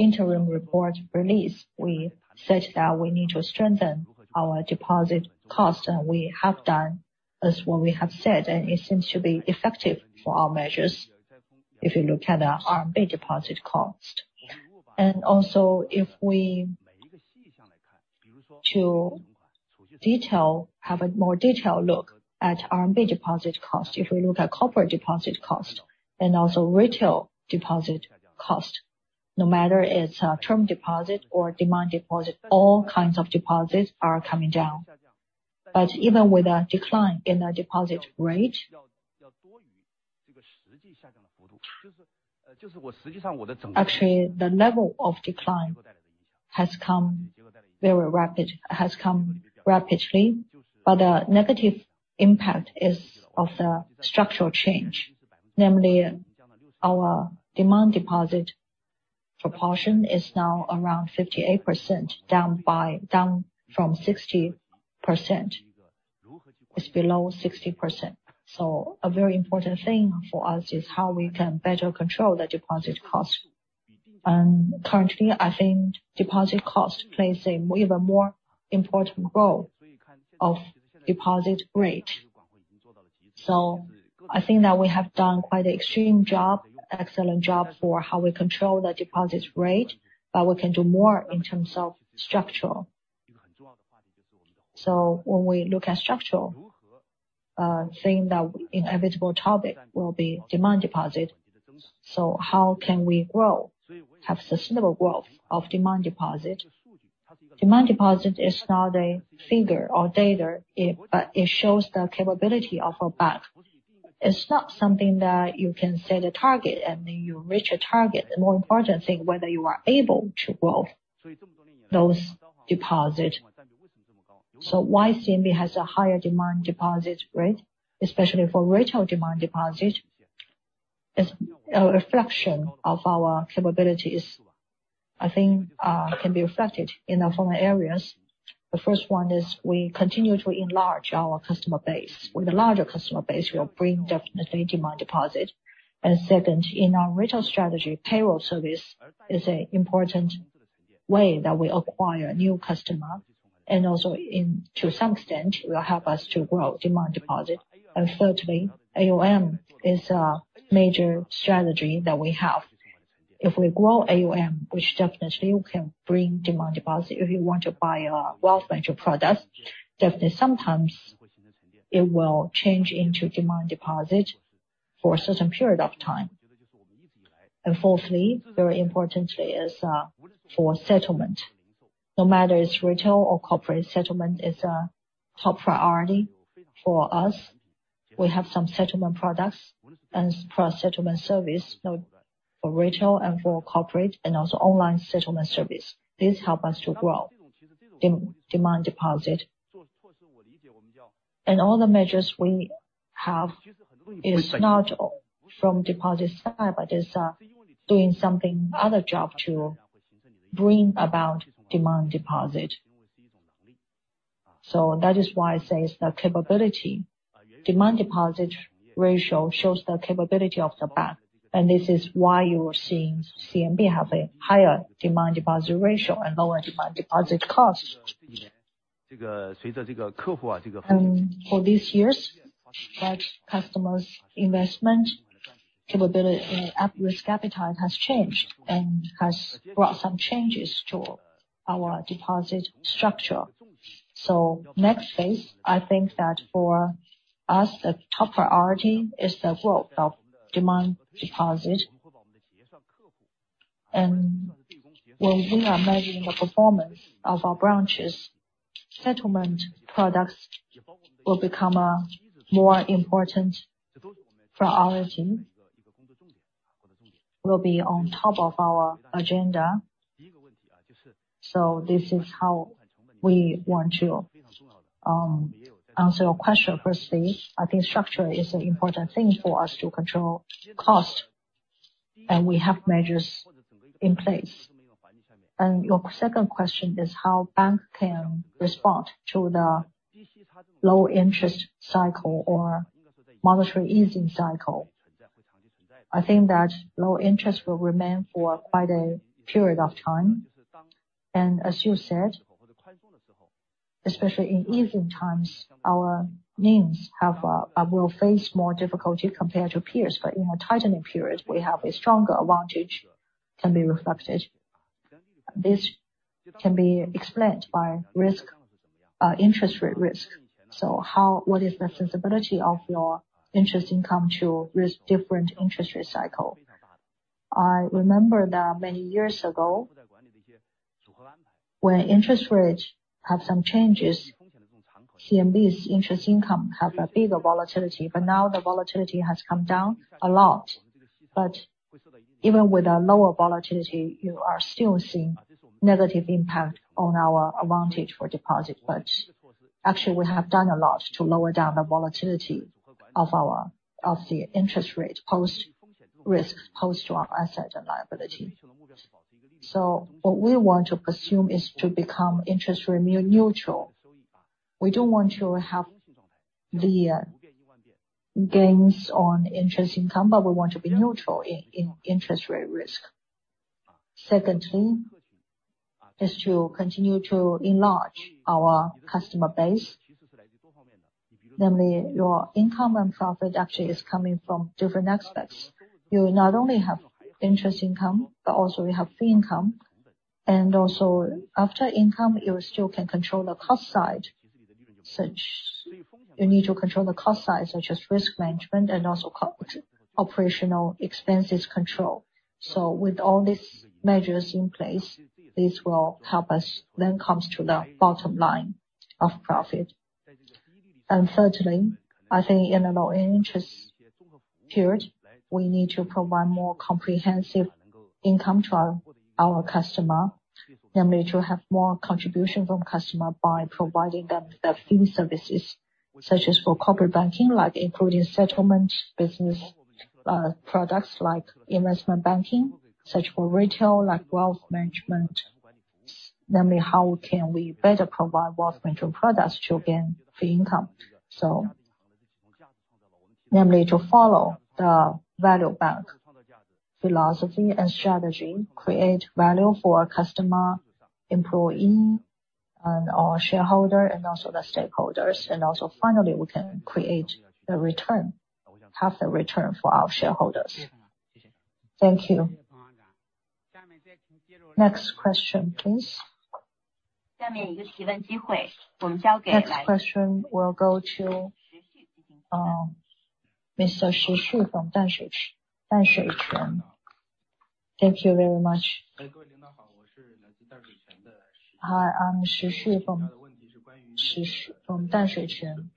interim report release, we said that we need to strengthen our deposit cost, and we have done as what we have said, and it seems to be effective for our measures, if you look at the CNY deposit cost. Also, if we, to detail, have a more detailed look at CNY deposit cost. If we look at corporate deposit cost and also retail deposit cost, no matter it's a term deposit or demand deposit, all kinds of deposits are coming down. But even with a decline in the deposit rate, actually, the level of decline has come rapidly, but the negative impact is of the structural change. Namely, our demand deposit proportion is now around 58%, down from 60%. It's below 60%. So a very important thing for us is how we can better control the deposit cost. And currently, I think deposit cost plays an even more important role than deposit rate. So I think that we have done quite an excellent job for how we control the deposit rate, but we can do more in terms of structural. So when we look at structural thing, the inevitable topic will be demand deposit. So how can we grow, have sustainable growth of demand deposit? Demand deposit is not a figure or data, it, but it shows the capability of a bank. It's not something that you can set a target, and then you reach a target. The more important thing, whether you are able to grow those deposit. So why CMB has a higher demand deposit rate, especially for retail demand deposit? It's a reflection of our capabilities. I think, can be reflected in the following areas. The first one is we continue to enlarge our customer base. With a larger customer base, we'll bring definitely demand deposit. And second, in our retail strategy, payroll service is a important way that we acquire new customer, and also in, to some extent, will help us to grow demand deposit. And thirdly, AUM is a major strategy that we have. If we grow AUM, which definitely we can bring demand deposit, if you want to buy a wealth management product, definitely sometimes it will change into demand deposit for a certain period of time. And fourthly, very importantly, is for settlement. No matter it's retail or corporate, settlement is a top priority for us. We have some settlement products and product settlement service, both for retail and for corporate, and also online settlement service. This helps us to grow demand deposit. And all the measures we have is not from deposit side, but is doing something, other job to bring about demand deposit. So that is why I say it's the capability. Demand deposit ratio shows the capability of the bank, and this is why you are seeing CMB have a higher demand deposit ratio and lower demand deposit cost. For these years, like, customers' investment capability and appetite has changed and has brought some changes to our deposit structure. So next phase, I think that for us, the top priority is the growth of demand deposit. And when we are measuring the performance of our branches, settlement products will become more important for our team, will be on top of our agenda. So this is how we want to answer your question. Firstly, I think structure is an important thing for us to control cost, and we have measures in place. And your second question is how bank can respond to the low interest cycle or monetary easing cycle. I think that low interest will remain for quite a period of time. And as you said, especially in easing times, our NIMs have a will face more difficulty compared to peers, but in a tightening period, we have a stronger advantage can be reflected. This can be explained by risk, interest rate risk. So how... What is the sensibility of your interest income to risk different interest rate cycle? I remember that many years ago, when interest rates had some changes, CMB's interest income have a bigger volatility, but now the volatility has come down a lot. But even with a lower volatility, you are still seeing negative impact on our advantage for deposit. But actually, we have done a lot to lower down the volatility of our of the interest rate, post risk, post to our asset and liability. So what we want to pursue is to become interest rate neutral. We don't want to have the gains on interest income, but we want to be neutral in interest rate risk. Secondly, is to continue to enlarge our customer base. Namely, your income and profit actually is coming from different aspects. You not only have interest income, but also you have fee income, and also after income, you still can control the cost side. You need to control the cost side, such as risk management and also operational expenses control. So with all these measures in place, this will help us then comes to the bottom line of profit. And thirdly, I think in a low interest period, we need to provide more comprehensive income to our customer. Namely, to have more contribution from customer by providing them the fee services, such as for corporate banking, like including settlement business, products like investment banking, such for retail, like wealth management. Namely, how can we better provide wealth management products to gain fee income? So namely, to follow the value bank philosophy and strategy, create value for our customer, employee, and our shareholder, and also the stakeholders. And also finally, we can create a return, have the return for our shareholders. Thank you. Next question, please. Next question will go to Mr. Shi Xu from Danshuiquan. Thank you very much. Hi, I'm Shi Xu from Danshuiquan.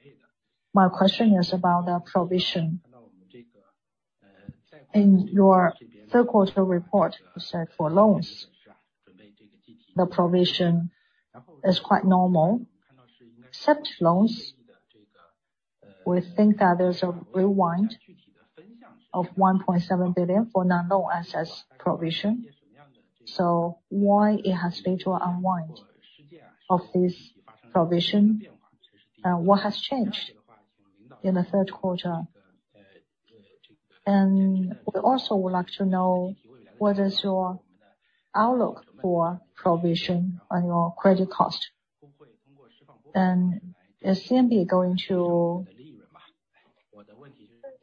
My question is about the provision. In your third quarter report, you said for loans, the provision is quite normal. We think that there's an unwind of 1.7 billion for non-loan assets provision. So why has there been an unwind of this provision? What has changed in the third quarter? And we also would like to know what is your outlook for provision on your credit cost? And is CMB going to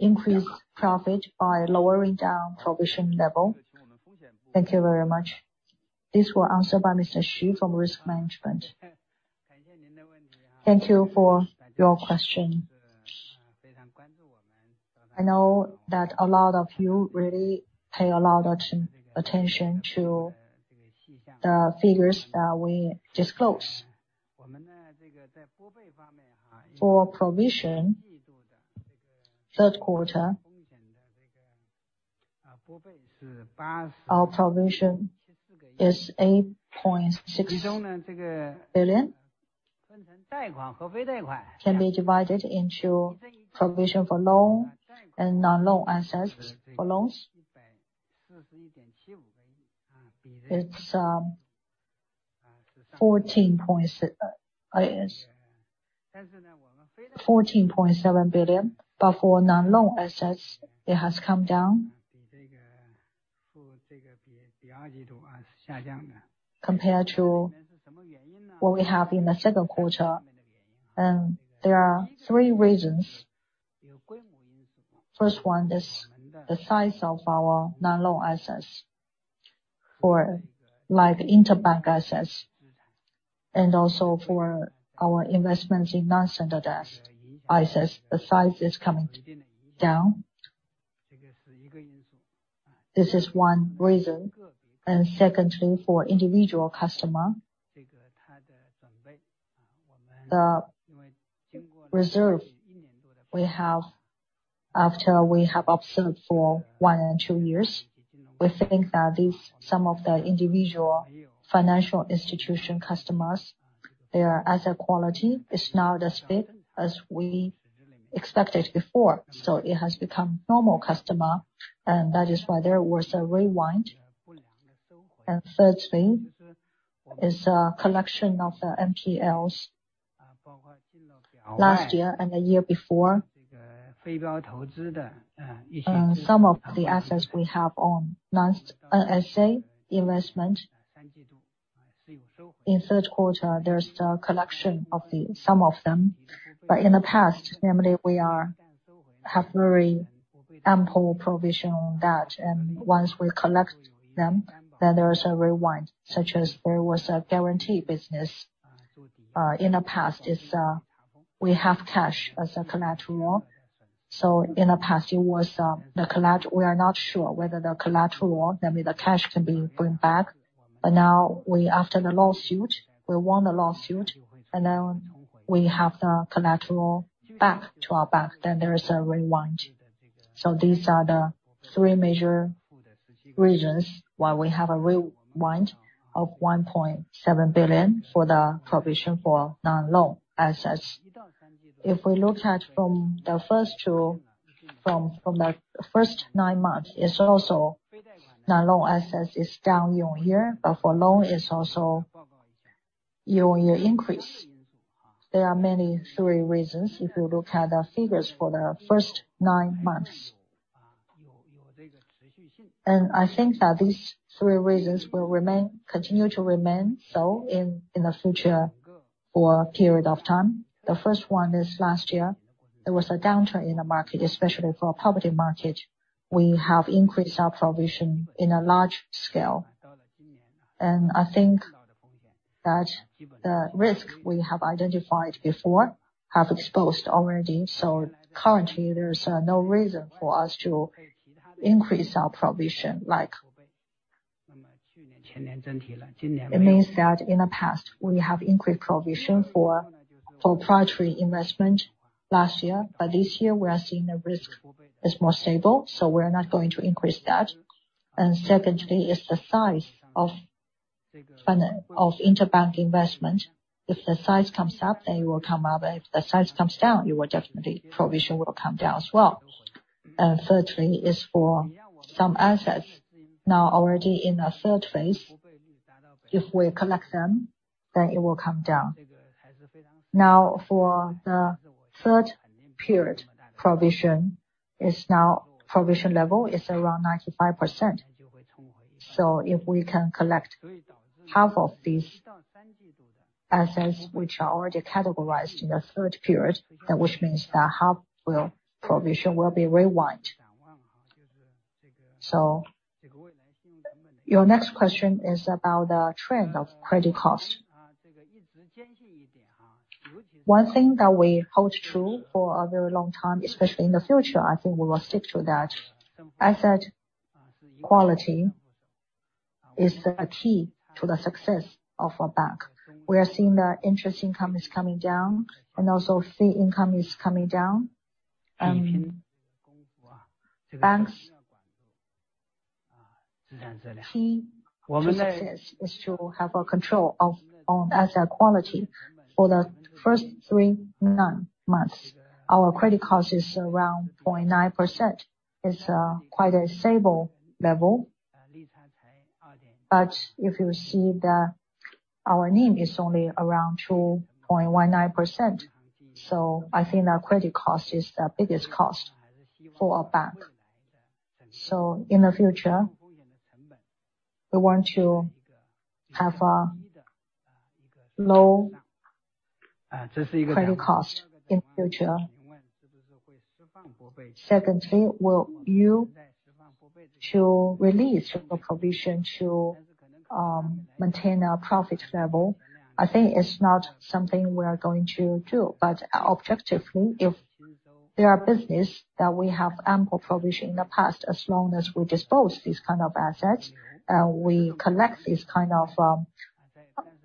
increase profit by lowering down provision level? Thank you very much. This will be answered by Mr. Xu from Risk Management. Thank you for your question. I know that a lot of you really pay a lot of attention to the figures that we disclose. For provision, third quarter, our provision is 8.6 billion. Can be divided into provision for loan and non-loan assets. For loans, it's 14.7 billion, but for non-loan assets, it has come down compared to what we have in the second quarter. And there are three reasons. First one is the size of our non-loan assets for, like, interbank assets, and also for our investments in non-standard assets. The size is coming down. This is one reason. And secondly, for individual customer, the reserve we have after we have observed for one and two years, we think that these some of the individual financial institution customers, their asset quality is not as big as we expected before, so it has become normal customer, and that is why there was a rewind. And third thing is, collection of the NPLs last year and the year before. Some of the assets we have on last ESG investment. In third quarter, there's the collection of the some of them. But in the past, normally, we have very ample provision on that, and once we collect them, then there is a rewind, such as there was a guarantee business in the past, we have cash as a collateral. So in the past, it was, the collateral we are not sure whether the collateral or maybe the cash can be brought back. But now we after the lawsuit, we won the lawsuit, and now we have the collateral back to our bank, then there is a rewind. So these are the three major reasons why we have a rewind of 1.7 billion for the provision for non-loan assets. If we look at from the first two... From the first nine months, it's also non-loan assets is down year-on-year, but for loan, it's also year-on-year increase. There are mainly three reasons if you look at the figures for the first nine months. And I think that these three reasons will remain, continue to remain so in the future for a period of time. The first one is last year, there was a downturn in the market, especially for public market. We have increased our provision in a large scale, and I think that the risk we have identified before have exposed already. So currently, there's no reason for us to increase our provision. Like, it means that in the past, we have increased provision for proprietary investment last year, but this year we are seeing the risk is more stable, so we're not going to increase that. Secondly, the size of interbank investment. If the size comes up, they will come up. If the size comes down, you will definitely, provision will come down as well. Thirdly, for some assets now already in the third phase. If we collect them, then it will come down. Now, for the third period, provision level is around 95%. So if we can collect half of these assets which are already categorized in the third period, then which means that half will, provision will be rewound. So your next question is about the trend of credit cost. One thing that we hold true for a very long time, especially in the future, I think we will stick to that. Asset quality is a key to the success of a bank. We are seeing the interest income is coming down and also fee income is coming down. Key to success is to have a control of, on asset quality. For the first three months, our credit cost is around 0.9%. It's quite a stable level. But if you see our NIM is only around 2.19%, so I think our credit cost is the biggest cost for our bank. So in the future, we want to have a low credit cost in future. Secondly, will you to release the provision to maintain our profit level? I think it's not something we are going to do, but objectively, if there are business that we have ample provision in the past, as long as we dispose these kind of assets, we collect this kind of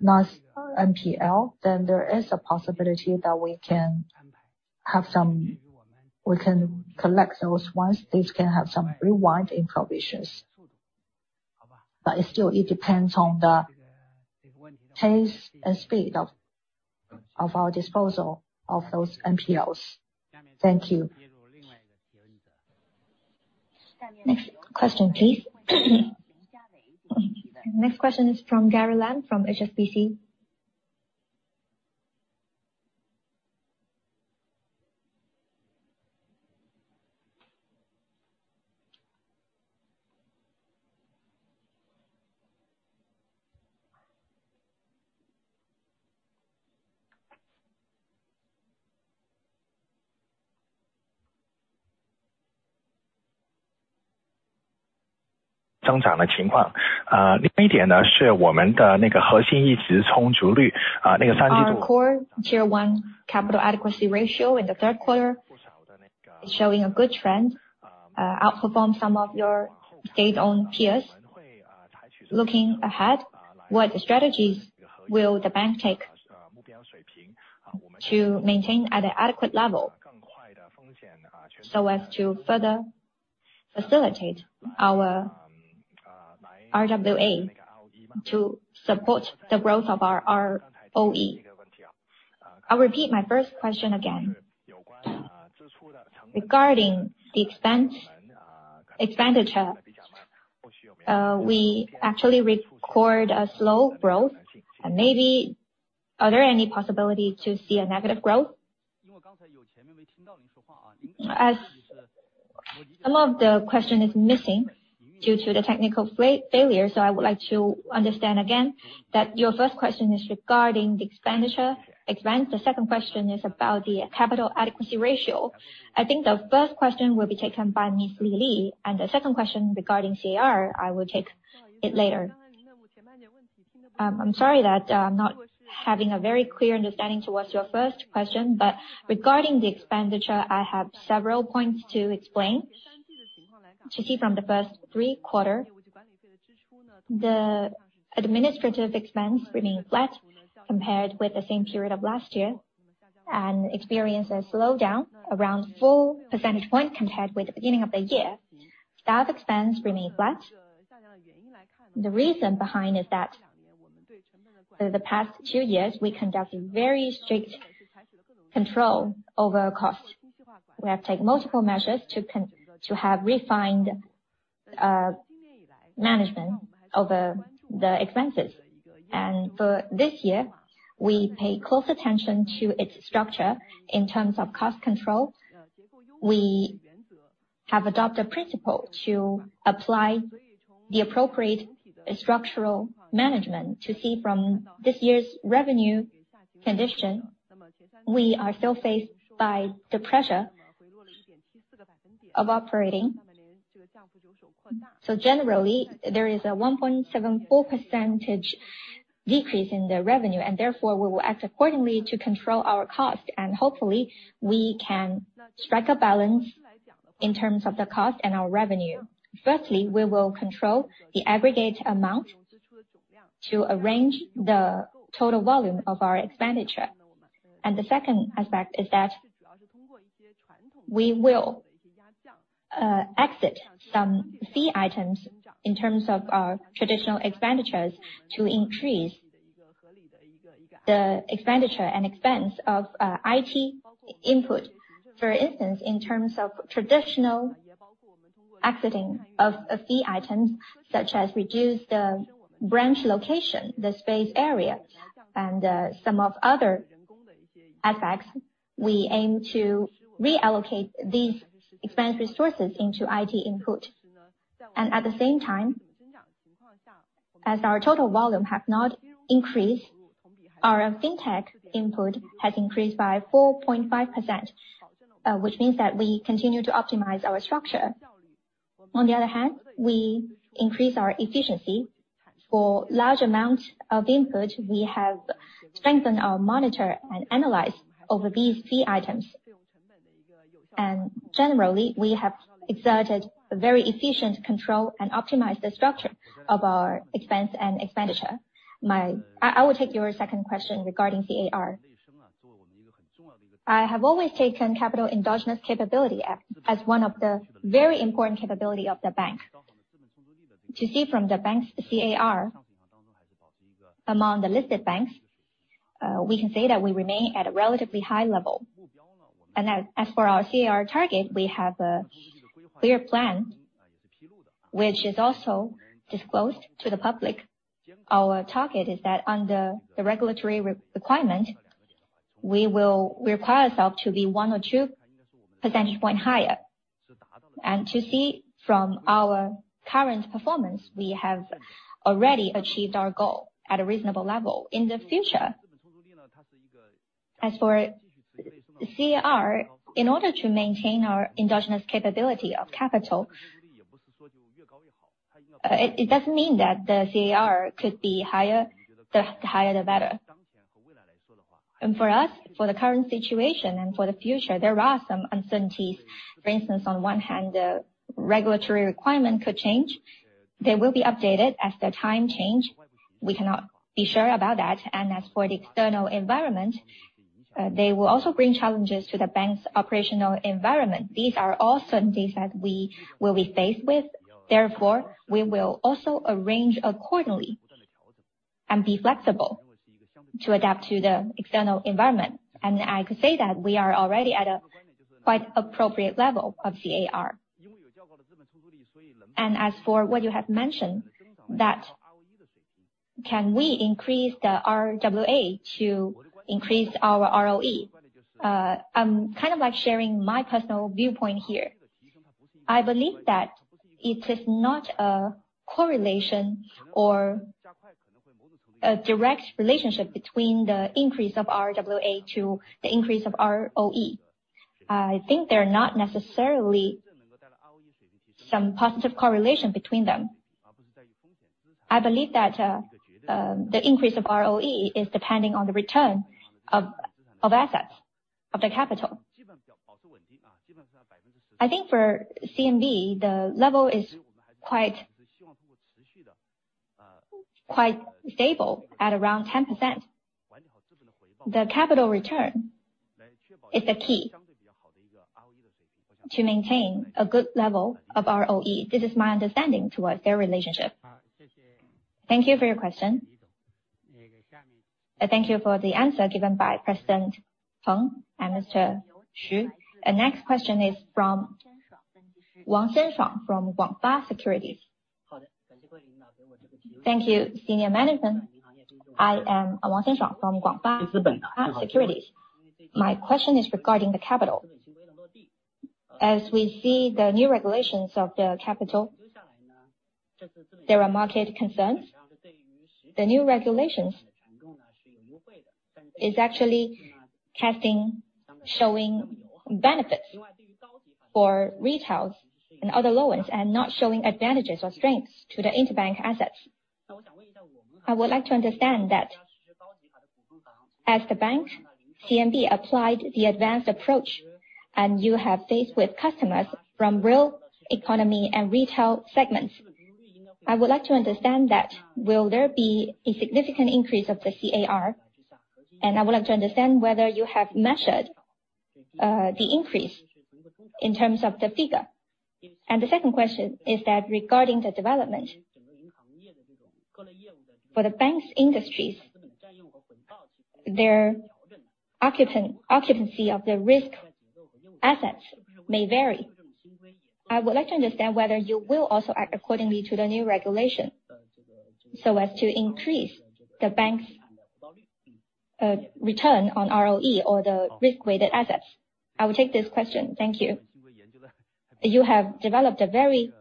nice NPL, then there is a possibility that we can have some - we can collect those ones. This can have some rewind in provisions. But still, it depends on the pace and speed of our disposal of those NPLs. Thank you. Next question, please. Next question is from Gary Lam, from HSBC. Our core Tier One capital adequacy ratio in the third quarter is showing a good trend, outperform some of your state-owned peers. Looking ahead, what strategies will the bank take to maintain at an adequate level so as to further facilitate our RWA to support the growth of our ROE? I'll repeat my first question again. Regarding the expense, expenditure, we actually record a slow growth. And maybe... Are there any possibility to see a negative growth? As some of the question is missing due to the technical failure, so I would like to understand again that your first question is regarding the expenditure, expense. The second question is about the capital adequacy ratio. I think the first question will be taken by Miss Li Li, and the second question regarding CAR, I will take it later. I'm sorry that I'm not having a very clear understanding towards your first question, but regarding the expenditure, I have several points to explain. To see from the first three quarters, the administrative expenses remained flat compared with the same period of last year, and experienced a slowdown around 4 percentage points compared with the beginning of the year. Staff expenses remained flat. The reason behind is that for the past two years, we conducted very strict control over costs. We have taken multiple measures to have refined management over the expenses. For this year, we pay close attention to its structure in terms of cost control. We have adopted a principle to apply the appropriate structural management. To see from this year's revenue condition, we are still faced by the pressure of operating. So generally, there is a 1.74% decrease in the revenue, and therefore, we will act accordingly to control our cost, and hopefully, we can strike a balance in terms of the cost and our revenue. Firstly, we will control the aggregate amount to arrange the total volume of our expenditure. The second aspect is that we will exit some fee items in terms of our traditional expenditures, to increase the expenditure and expense of IT input. For instance, in terms of traditional exiting of a fee items, such as reduce the branch location, the space area, and some of other aspects, we aim to reallocate these expense resources into IT input. And at the same time, as our total volume have not increased, our Fintech input has increased by 4.5%, which means that we continue to optimize our structure. On the other hand, we increase our efficiency. For large amount of input, we have strengthened our monitor and analysis over these fee items. And generally, we have exerted a very efficient control and optimized the structure of our expense and expenditure. I will take your second question regarding CAR. I have always taken capital endogenous capability as one of the very important capability of the bank. To see from the bank's CAR, among the listed banks, we can say that we remain at a relatively high level. And as for our CAR target, we have a clear plan, which is also disclosed to the public. Our target is that under the regulatory requirement, we will require ourselves to be 1 or 2 percentage points higher. To see from our current performance, we have already achieved our goal at a reasonable level. In the future, as for CAR, in order to maintain our endogenous capability of capital, it doesn't mean that the CAR could be higher, the higher the better. For us, for the current situation and for the future, there are some uncertainties. For instance, on one hand, the regulatory requirement could change. They will be updated as the time change. We cannot be sure about that. As for the external environment, they will also bring challenges to the bank's operational environment. These are all certainties that we will be faced with. Therefore, we will also arrange accordingly and be flexible to adapt to the external environment. I could say that we are already at a quite appropriate level of CAR. And as for what you have mentioned, that can we increase the RWA to increase our ROE? I'm kind of like sharing my personal viewpoint here. I believe that it is not a correlation or a direct relationship between the increase of RWA to the increase of ROE. I think there are not necessarily some positive correlation between them. I believe that, the increase of ROE is depending on the return of, of assets, of the capital. I think for CMB, the level is quite, quite stable at around 10%. The capital return is the key to maintain a good level of ROE. This is my understanding towards their relationship. Thank you for your question. Thank you for the answer given by President Peng and Mr. Xu. The next question is from Wang Xinshang from Guangfa Securities. Thank you, senior management. I am Wang Xinshang from Guangfa Securities. My question is regarding the capital. As we see the new regulations of the capital, there are market concerns. The new regulations is actually casting, showing benefits for retail and other loans, and not showing advantages or strengths to the interbank assets. I would like to understand that as the bank, CMB applied the advanced approach, and you have faced with customers from real economy and retail segments. I would like to understand that, will there be a significant increase of the CAR? And I would like to understand whether you have measured, the increase in terms of the figure. And the second question is that regarding the development for the banks industries, their occupancy of the risk assets may vary. I would like to understand whether you will also act accordingly to the new regulation, so as to increase the bank's return on ROE or the risk-weighted assets. I will take this question. Thank you. You have developed a very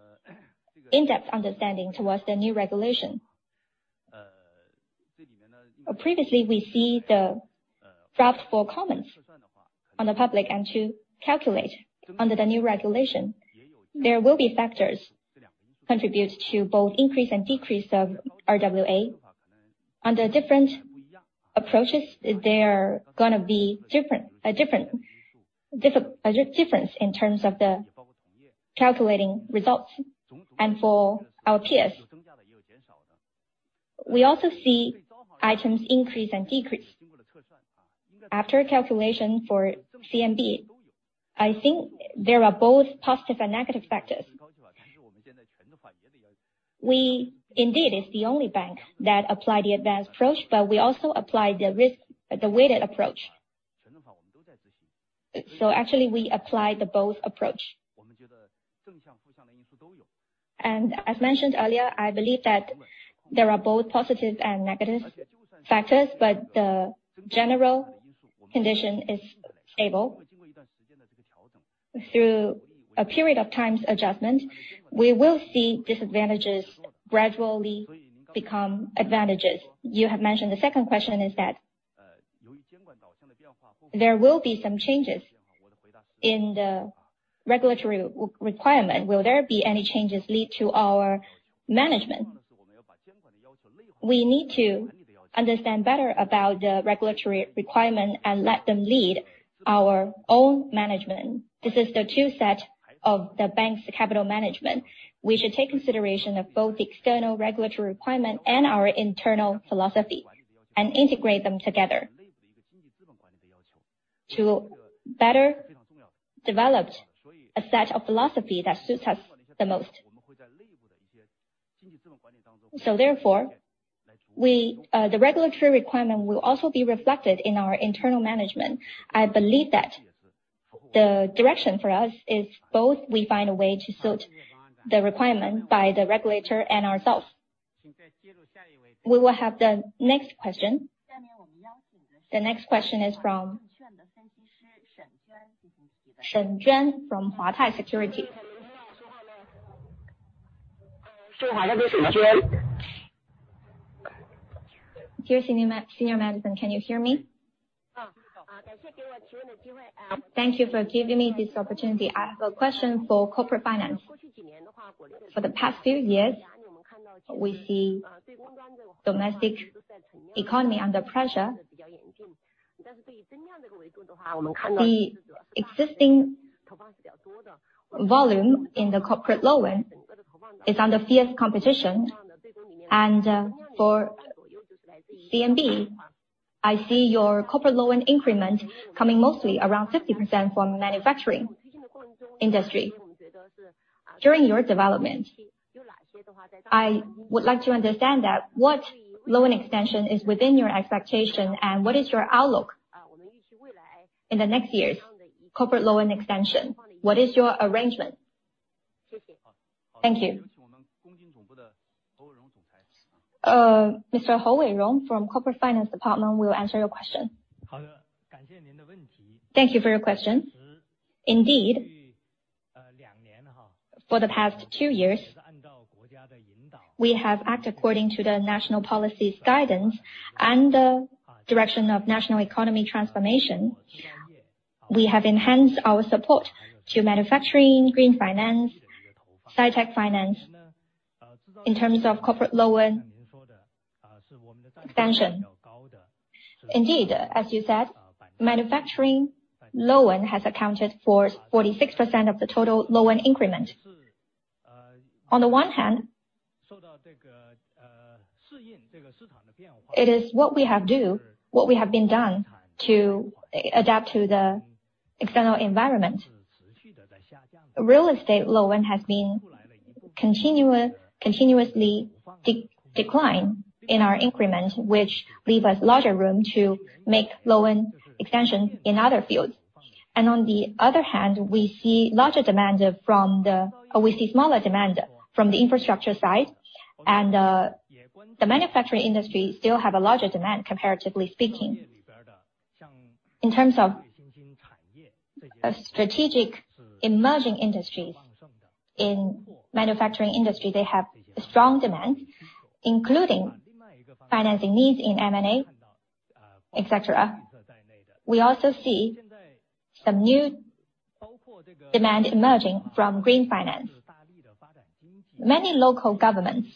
in-depth understanding towards the new regulation. Previously, we see the draft for comments on the public, and to calculate under the new regulation. There will be factors contribute to both increase and decrease of RWA. Under different approaches, there are gonna be a different difference in terms of the calculating results. And for our peers, we also see items increase and decrease. After calculation for CMB, I think there are both positive and negative factors. We indeed is the only bank that apply the advanced approach, but we also apply the risk, the weighted approach. So actually, we apply the both approach. As mentioned earlier, I believe that there are both positive and negative factors, but the general condition is stable. Through a period of time's adjustment, we will see disadvantages gradually become advantages. You have mentioned the second question is that there will be some changes in the regulatory requirement. Will there be any changes lead to our management? We need to understand better about the regulatory requirement and let them lead our own management. This is the two set of the bank's capital management. We should take consideration of both the external regulatory requirement and our internal philosophy, and integrate them together to better develop a set of philosophy that suits us the most. Therefore, we, the regulatory requirement will also be reflected in our internal management. I believe that the direction for us is both we find a way to suit the requirement by the regulator and ourselves. We will have the next question. The next question is from Shen Juan, from Huatai Securities. Dear senior management, can you hear me? Thank you for giving me this opportunity. I have a question for corporate finance. For the past few years, we see domestic economy under pressure. The existing volume in the corporate loan is under fierce competition, and for CMB, I see your corporate loan increment coming mostly around 50% from manufacturing industry. During your development, I would like to understand that what loan extension is within your expectation, and what is your outlook in the next years, corporate loan extension? What is your arrangement? Thank you. Mr. Hou Weirong, from Corporate Finance Department, will answer your question. Thank you for your question. Indeed, for the past two years, we have acted according to the national policy's guidance and the direction of national economy transformation. We have enhanced our support to manufacturing, green finance, high-tech finance, in terms of corporate loan expansion. Indeed, as you said, manufacturing loan has accounted for 46% of the total loan increment. On the one hand, it is what we have done, what we have been doing to adapt to the external environment. Real estate loan has been continuously declining in our increment, which leaves us larger room to make loan extension in other fields. And on the other hand, we see larger demand from the... We see smaller demand from the infrastructure side, and, the manufacturing industry still has a larger demand, comparatively speaking. In terms of strategic emerging industries, in manufacturing industry, they have a strong demand, including financing needs in M&A, et cetera. We also see some new demand emerging from green finance. Many local governments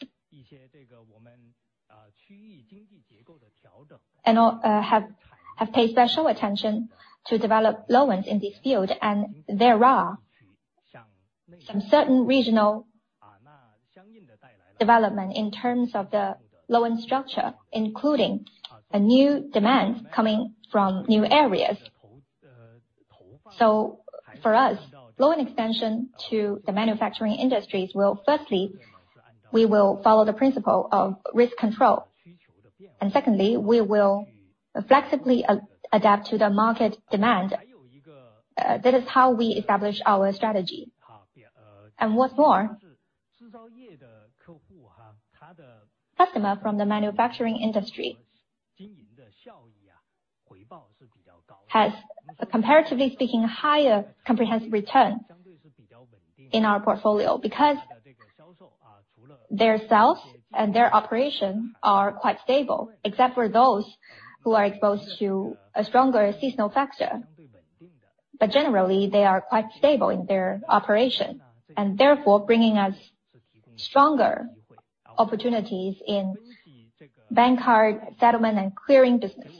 and have paid special attention to develop loans in this field, and there are some certain regional development in terms of the loan structure, including a new demand coming from new areas. So for us, loan extension to the manufacturing industries will firstly, we will follow the principle of risk control, and secondly, we will flexibly adapt to the market demand. That is how we establish our strategy. And what's more, customer from the manufacturing industry has, comparatively speaking, higher comprehensive return in our portfolio. Because their sales and their operation are quite stable, except for those who are exposed to a stronger seasonal factor. But generally, they are quite stable in their operation, and therefore bringing us stronger opportunities in bank card, settlement, and clearing business.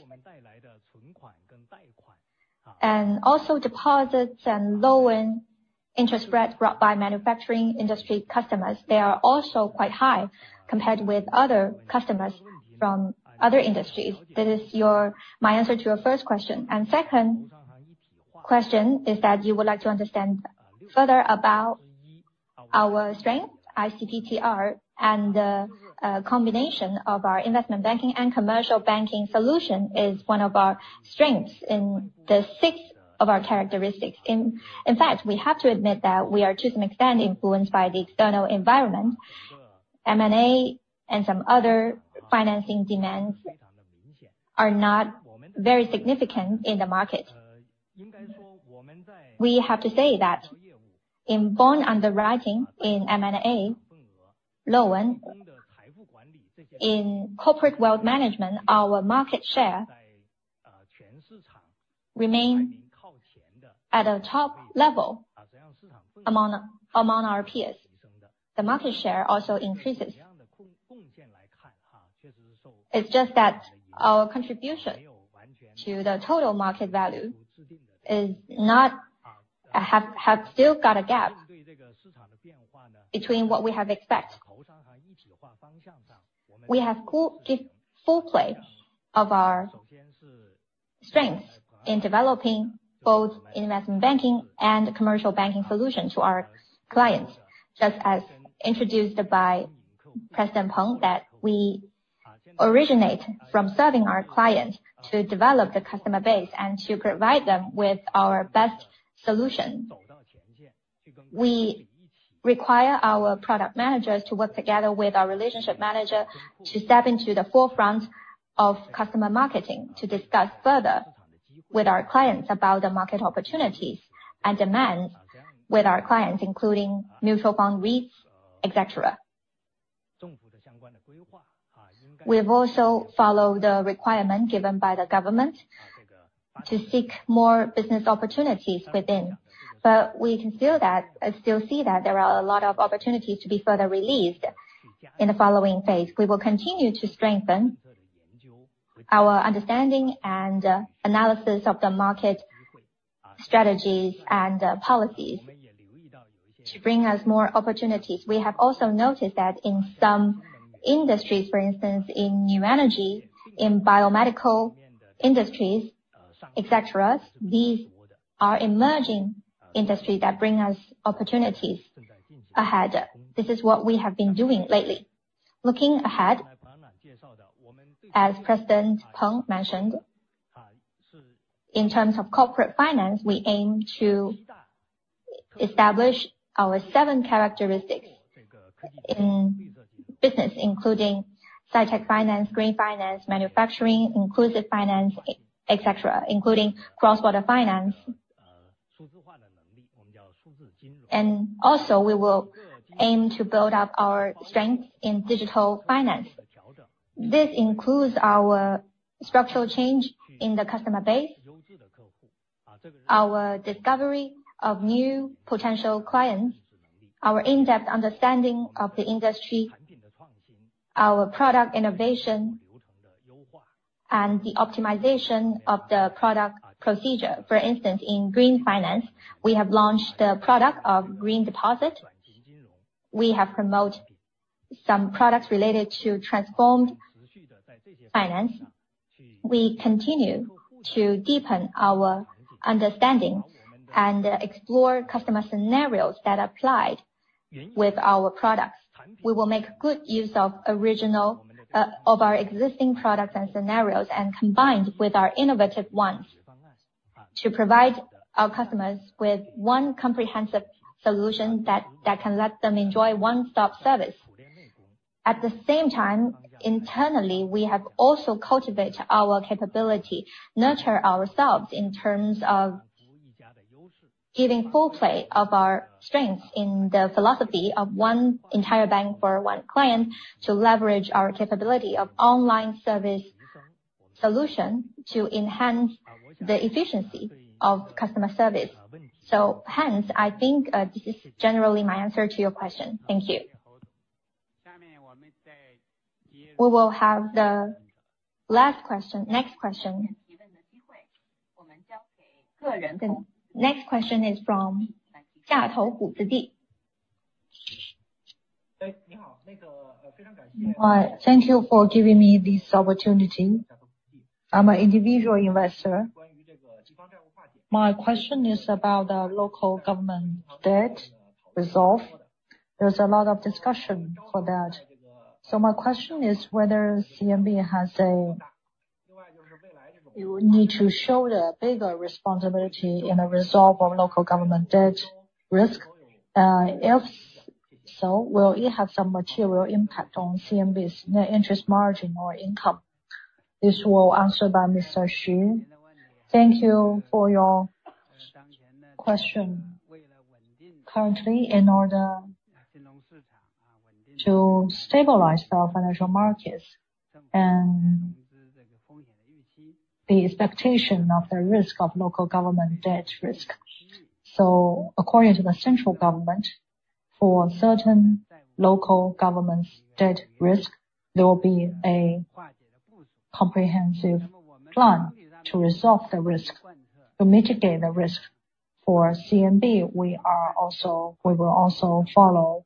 And also deposits and loan interest rates brought by manufacturing industry customers, they are also quite high compared with other customers from other industries. That is your - my answer to your first question. And second question is that you would like to understand further about our strength, ICPTR, and a combination of our investment banking and commercial banking solution is one of our strengths in the sixth of our characteristics. In fact, we have to admit that we are, to some extent, influenced by the external environment. M&A and some other financing demands are not very significant in the market. We have to say that in bond underwriting, in M&A loan, in corporate wealth management, our market share remain at a top level among our peers. The market share also increases. It's just that our contribution to the total market value is not have still got a gap between what we have expect. We have to give full play of our strengths in developing both investment banking and commercial banking solution to our clients, just as introduced by President Peng, that we originate from serving our clients to develop the customer base and to provide them with our best solution. We require our product managers to work together with our relationship manager to step into the forefront of customer marketing, to discuss further with our clients about the market opportunities and demands with our clients, including mutual fund rates, et cetera. We have also followed the requirement given by the government to seek more business opportunities within, but we can still see that there are a lot of opportunities to be further released in the following phase. We will continue to strengthen our understanding and analysis of the market strategies and policies to bring us more opportunities. We have also noticed that in some industries, for instance, in new energy, in biomedical industries, et cetera, these are emerging industries that bring us opportunities ahead. This is what we have been doing lately. Looking ahead, as President Peng mentioned, in terms of corporate finance, we aim to establish our seven characteristics in business, including SciTech finance, green finance, manufacturing, inclusive finance, et cetera, including cross-border finance. And also, we will aim to build up our strength in digital finance. This includes our structural change in the customer base, our discovery of new potential clients, our in-depth understanding of the industry, our product innovation, and the optimization of the product procedure. For instance, in green finance, we have launched the product of green deposit. We have promote some products related to transformed finance. We continue to deepen our understanding and explore customer scenarios that applied with our products. We will make good use of original, of our existing products and scenarios, and combined with our innovative ones, to provide our customers with one comprehensive solution that can let them enjoy one-stop service. At the same time, internally, we have also cultivate our capability, nurture ourselves in terms of giving full play of our strengths in the philosophy of one entire bank for one client, to leverage our capability of online service solution to enhance the efficiency of customer service. So hence, I think, this is generally my answer to your question. Thank you. We will have the last question... next question. The next question is from Jatou Buzidi. Thank you for giving me this opportunity. I'm an individual investor. My question is about the local government debt resolve. There's a lot of discussion for that. My question is whether CMB has a... You need to show the bigger responsibility in the resolve of local government debt risk? If so, will it have some material impact on CMB's net interest margin or income? This will be answered by Mr. Xu. Thank you for your question. Currently, in order to stabilize the financial markets and the expectation of the risk of local government debt risk. So according to the central government, for certain local government's debt risk, there will be a comprehensive plan to resolve the risk. To mitigate the risk for CMB, we will also follow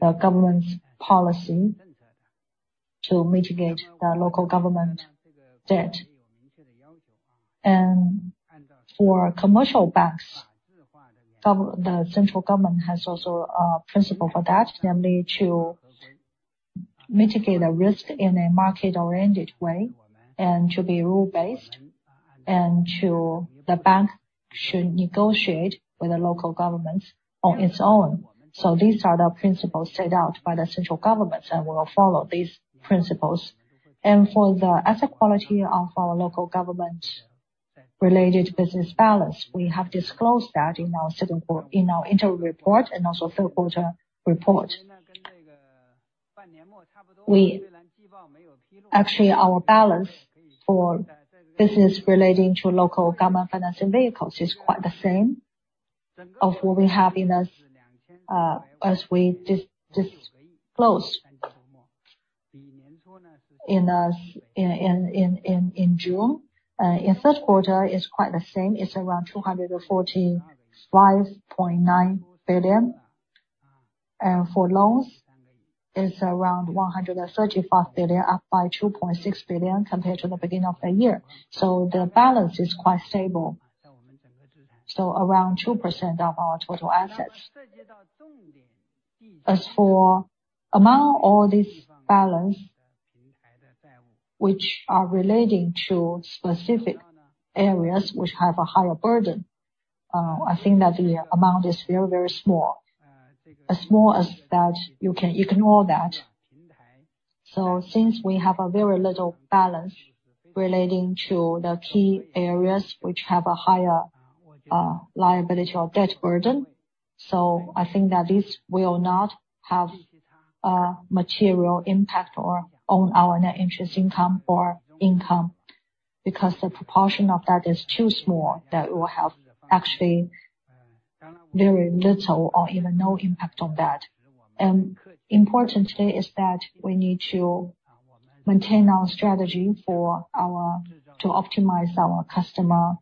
the government's policy to mitigate the local government debt. And for commercial banks, the central government has also a principle for that, namely, to mitigate the risk in a market-oriented way and to be rule-based, and to. The bank should negotiate with the local governments on its own. So these are the principles set out by the central government, and we will follow these principles. For the asset quality of our local government-related business balance, we have disclosed that in our interim report and also third quarter report. Actually, our balance for business relating to local government financing vehicles is quite the same as what we have disclosed. in June. In third quarter, it's quite the same. It's around 245.9 billion. And for loans, it's around 135 billion, up by 2.6 billion compared to the beginning of the year. So the balance is quite stable, so around 2% of our total assets. As for among all this balance, which are relating to specific areas which have a higher burden, I think that the amount is very, very small. As small as that, you can ignore that. So since we have a very little balance relating to the key areas which have a higher liability or debt burden, so I think that this will not have a material impact on our net interest income or income. Because the proportion of that is too small, that will have actually very little or even no impact on that. Important today is that we need to maintain our strategy for our to optimize our customer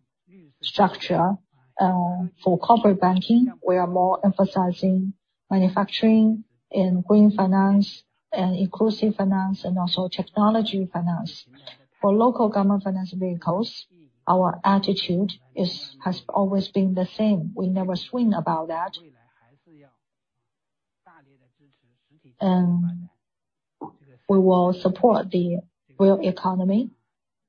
structure. For corporate banking, we are more emphasizing manufacturing and green finance and inclusive finance, and also technology finance. For local government finance vehicles, our attitude is, has always been the same. We never swing about that. And we will support the real economy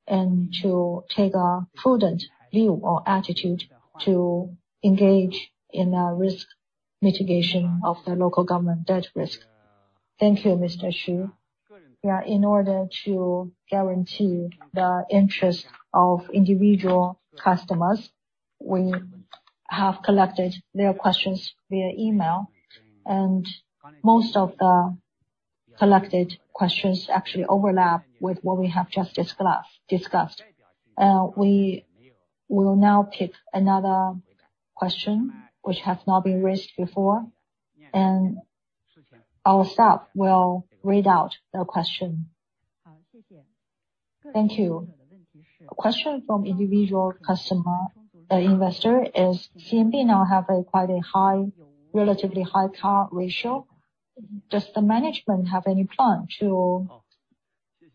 and to take a prudent view or attitude to engage in the risk mitigation of the local government debt risk. Thank you, Mr. Xu. Yeah, in order to guarantee the interest of individual customers, we have collected their questions via email, and most of the collected questions actually overlap with what we have just discussed. We will now pick another question which has not been raised before, and our staff will read out the question. Thank you. A question from individual customer, investor, is CMB now have a quite a high, relatively high CAR ratio. Does the management have any plan to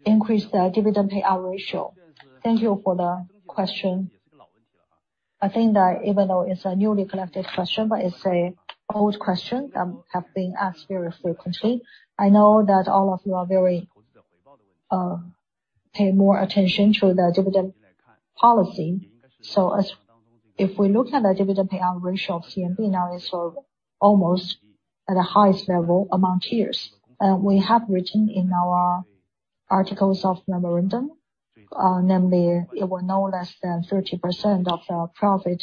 increase the dividend payout ratio? Thank you for the question. I think that even though it's a newly collected question, but it's a old question that have been asked very frequently. I know that all of you are very, pay more attention to the dividend policy. So as if we look at the dividend payout ratio of CMB, now it's, almost at the highest level among peers. We have written in our articles of memorandum, namely, it was no less than 30% of our profit.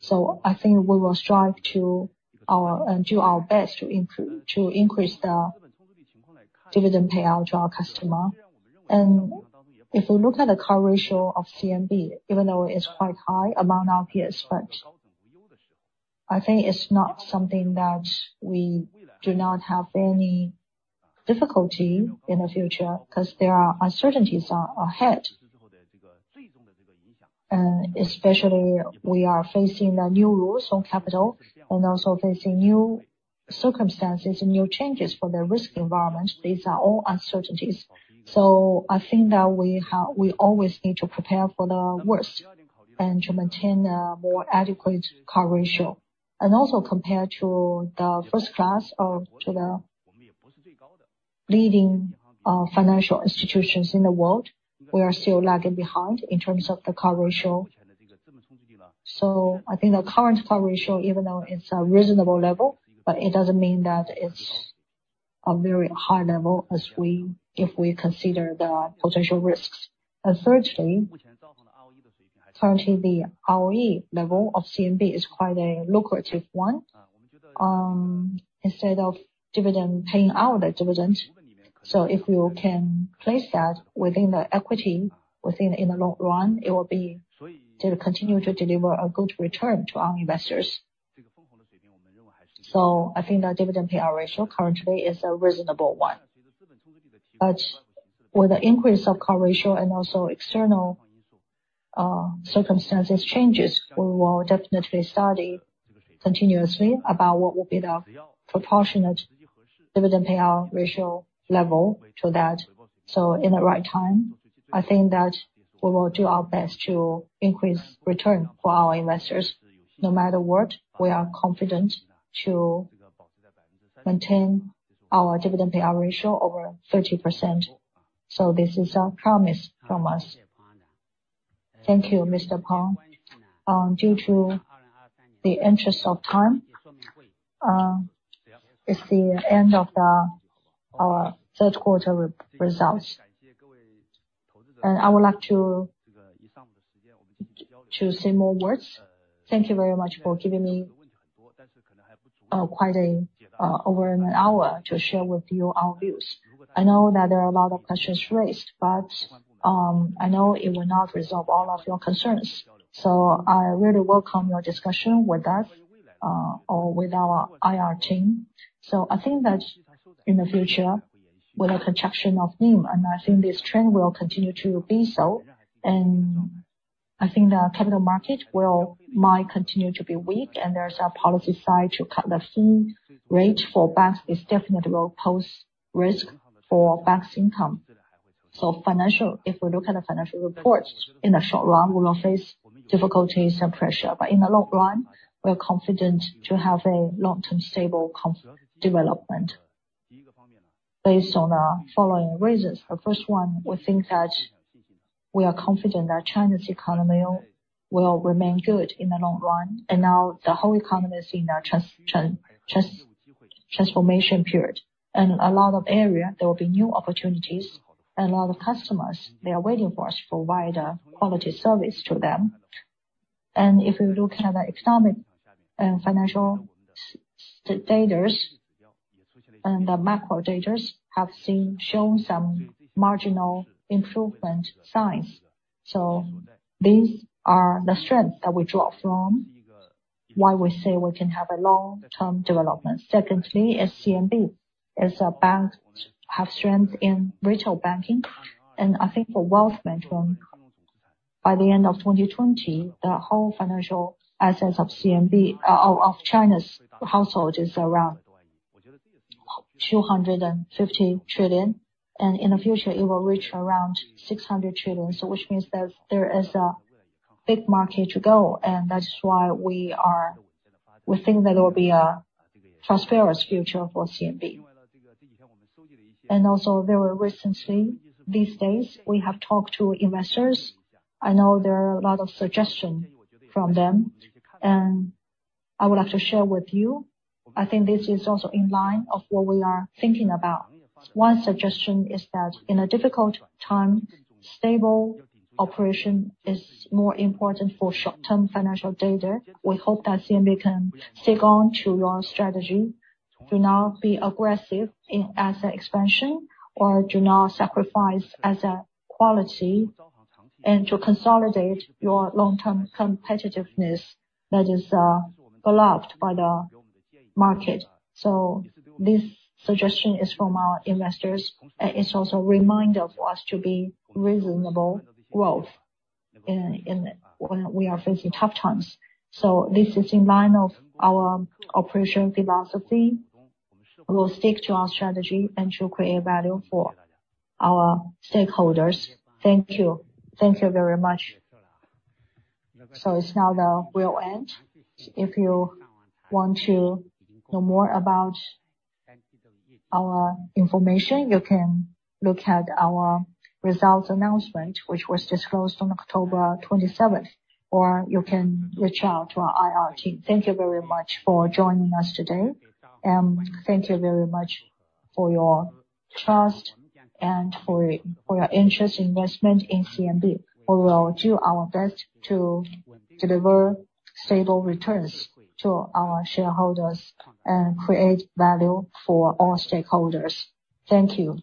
So I think we will strive to do our best to increase the dividend payout to our customer. And if we look at the CAR ratio of CMB, even though it's quite high among our peers, but I think it's not something that we do not have any difficulty in the future, 'cause there are uncertainties ahead. Especially, we are facing the new rules on capital and also facing new circumstances and new changes for the risk environment. These are all uncertainties. So I think that we always need to prepare for the worst and to maintain a more adequate CAR ratio. And also, compared to the first class or to the leading financial institutions in the world, we are still lagging behind in terms of the CAR ratio. So I think the current CAR ratio, even though it's a reasonable level, but it doesn't mean that it's a very high level as if we consider the potential risks. And thirdly, currently, the ROE level of CMB is quite a lucrative one. Instead of paying out the dividend, so if you can place that within the equity in the long run, it will be to continue to deliver a good return to our investors. So I think the dividend payout ratio currently is a reasonable one. But with the increase of CAR ratio and also external circumstances changes, we will definitely study continuously about what will be the proportionate dividend payout ratio level to that. So in the right time, I think that we will do our best to increase return for our investors. No matter what, we are confident to maintain our dividend payout ratio over 30%. So this is a promise from us. Thank you, Mr. Peng. Due to the interest of time, it's the end of our third quarter results. And I would like to say more words. Thank you very much for giving me quite a over an hour to share with you our views. I know that there are a lot of questions raised, but I know it will not resolve all of your concerns. So I really welcome your discussion with that or with our IR team. So I think that in the future, with the contraction of NIM, and I think this trend will continue to be so. And I think the capital market might continue to be weak, and there's a policy side to cut the fee rate for banks; this definitely will pose risk for banks' income. So financial, if we look at the financial reports, in the short run, we will face difficulties and pressure, but in the long run, we are confident to have a long-term stable comp development. Based on the following reasons. The first one, we think that we are confident that China's economy will remain good in the long run, and now the whole economy is in a transformation period. And a lot of area, there will be new opportunities, and a lot of customers, they are waiting for us to provide a quality service to them. If we look at the economic and financial data, and the macro data have shown some marginal improvement signs. These are the strength that we draw from, why we say we can have a long-term development. Secondly, as CMB, as a bank, have strength in retail banking, and I think for wealth management, by the end of 2020, the whole financial assets of CMB, of China's household, is around 250 trillion, and in the future, it will reach around 600 trillion. Which means that there is a big market to go, and that's why we think that it will be a prosperous future for CMB. Also, very recently, these days, we have talked to investors. I know there are a lot of suggestion from them, and I would like to share with you. I think this is also in line of what we are thinking about. One suggestion is that in a difficult time, stable operation is more important for short-term financial data. We hope that CMB can stick on to your strategy. Do not be aggressive in asset expansion, or do not sacrifice asset quality, and to consolidate your long-term competitiveness that is, beloved by the market. So this suggestion is from our investors, and it's also a reminder for us to be reasonable growth in when we are facing tough times. So this is in line of our operation philosophy. We will stick to our strategy and to create value for our stakeholders. Thank you. Thank you very much. So it's now the we'll end. If you want to know more about our information, you can look at our results announcement, which was disclosed on October 27th, or you can reach out to our IR team. Thank you very much for joining us today, and thank you very much for your trust and for your interest investment in CMB. We will do our best to deliver stable returns to our shareholders and create value for all stakeholders. Thank you.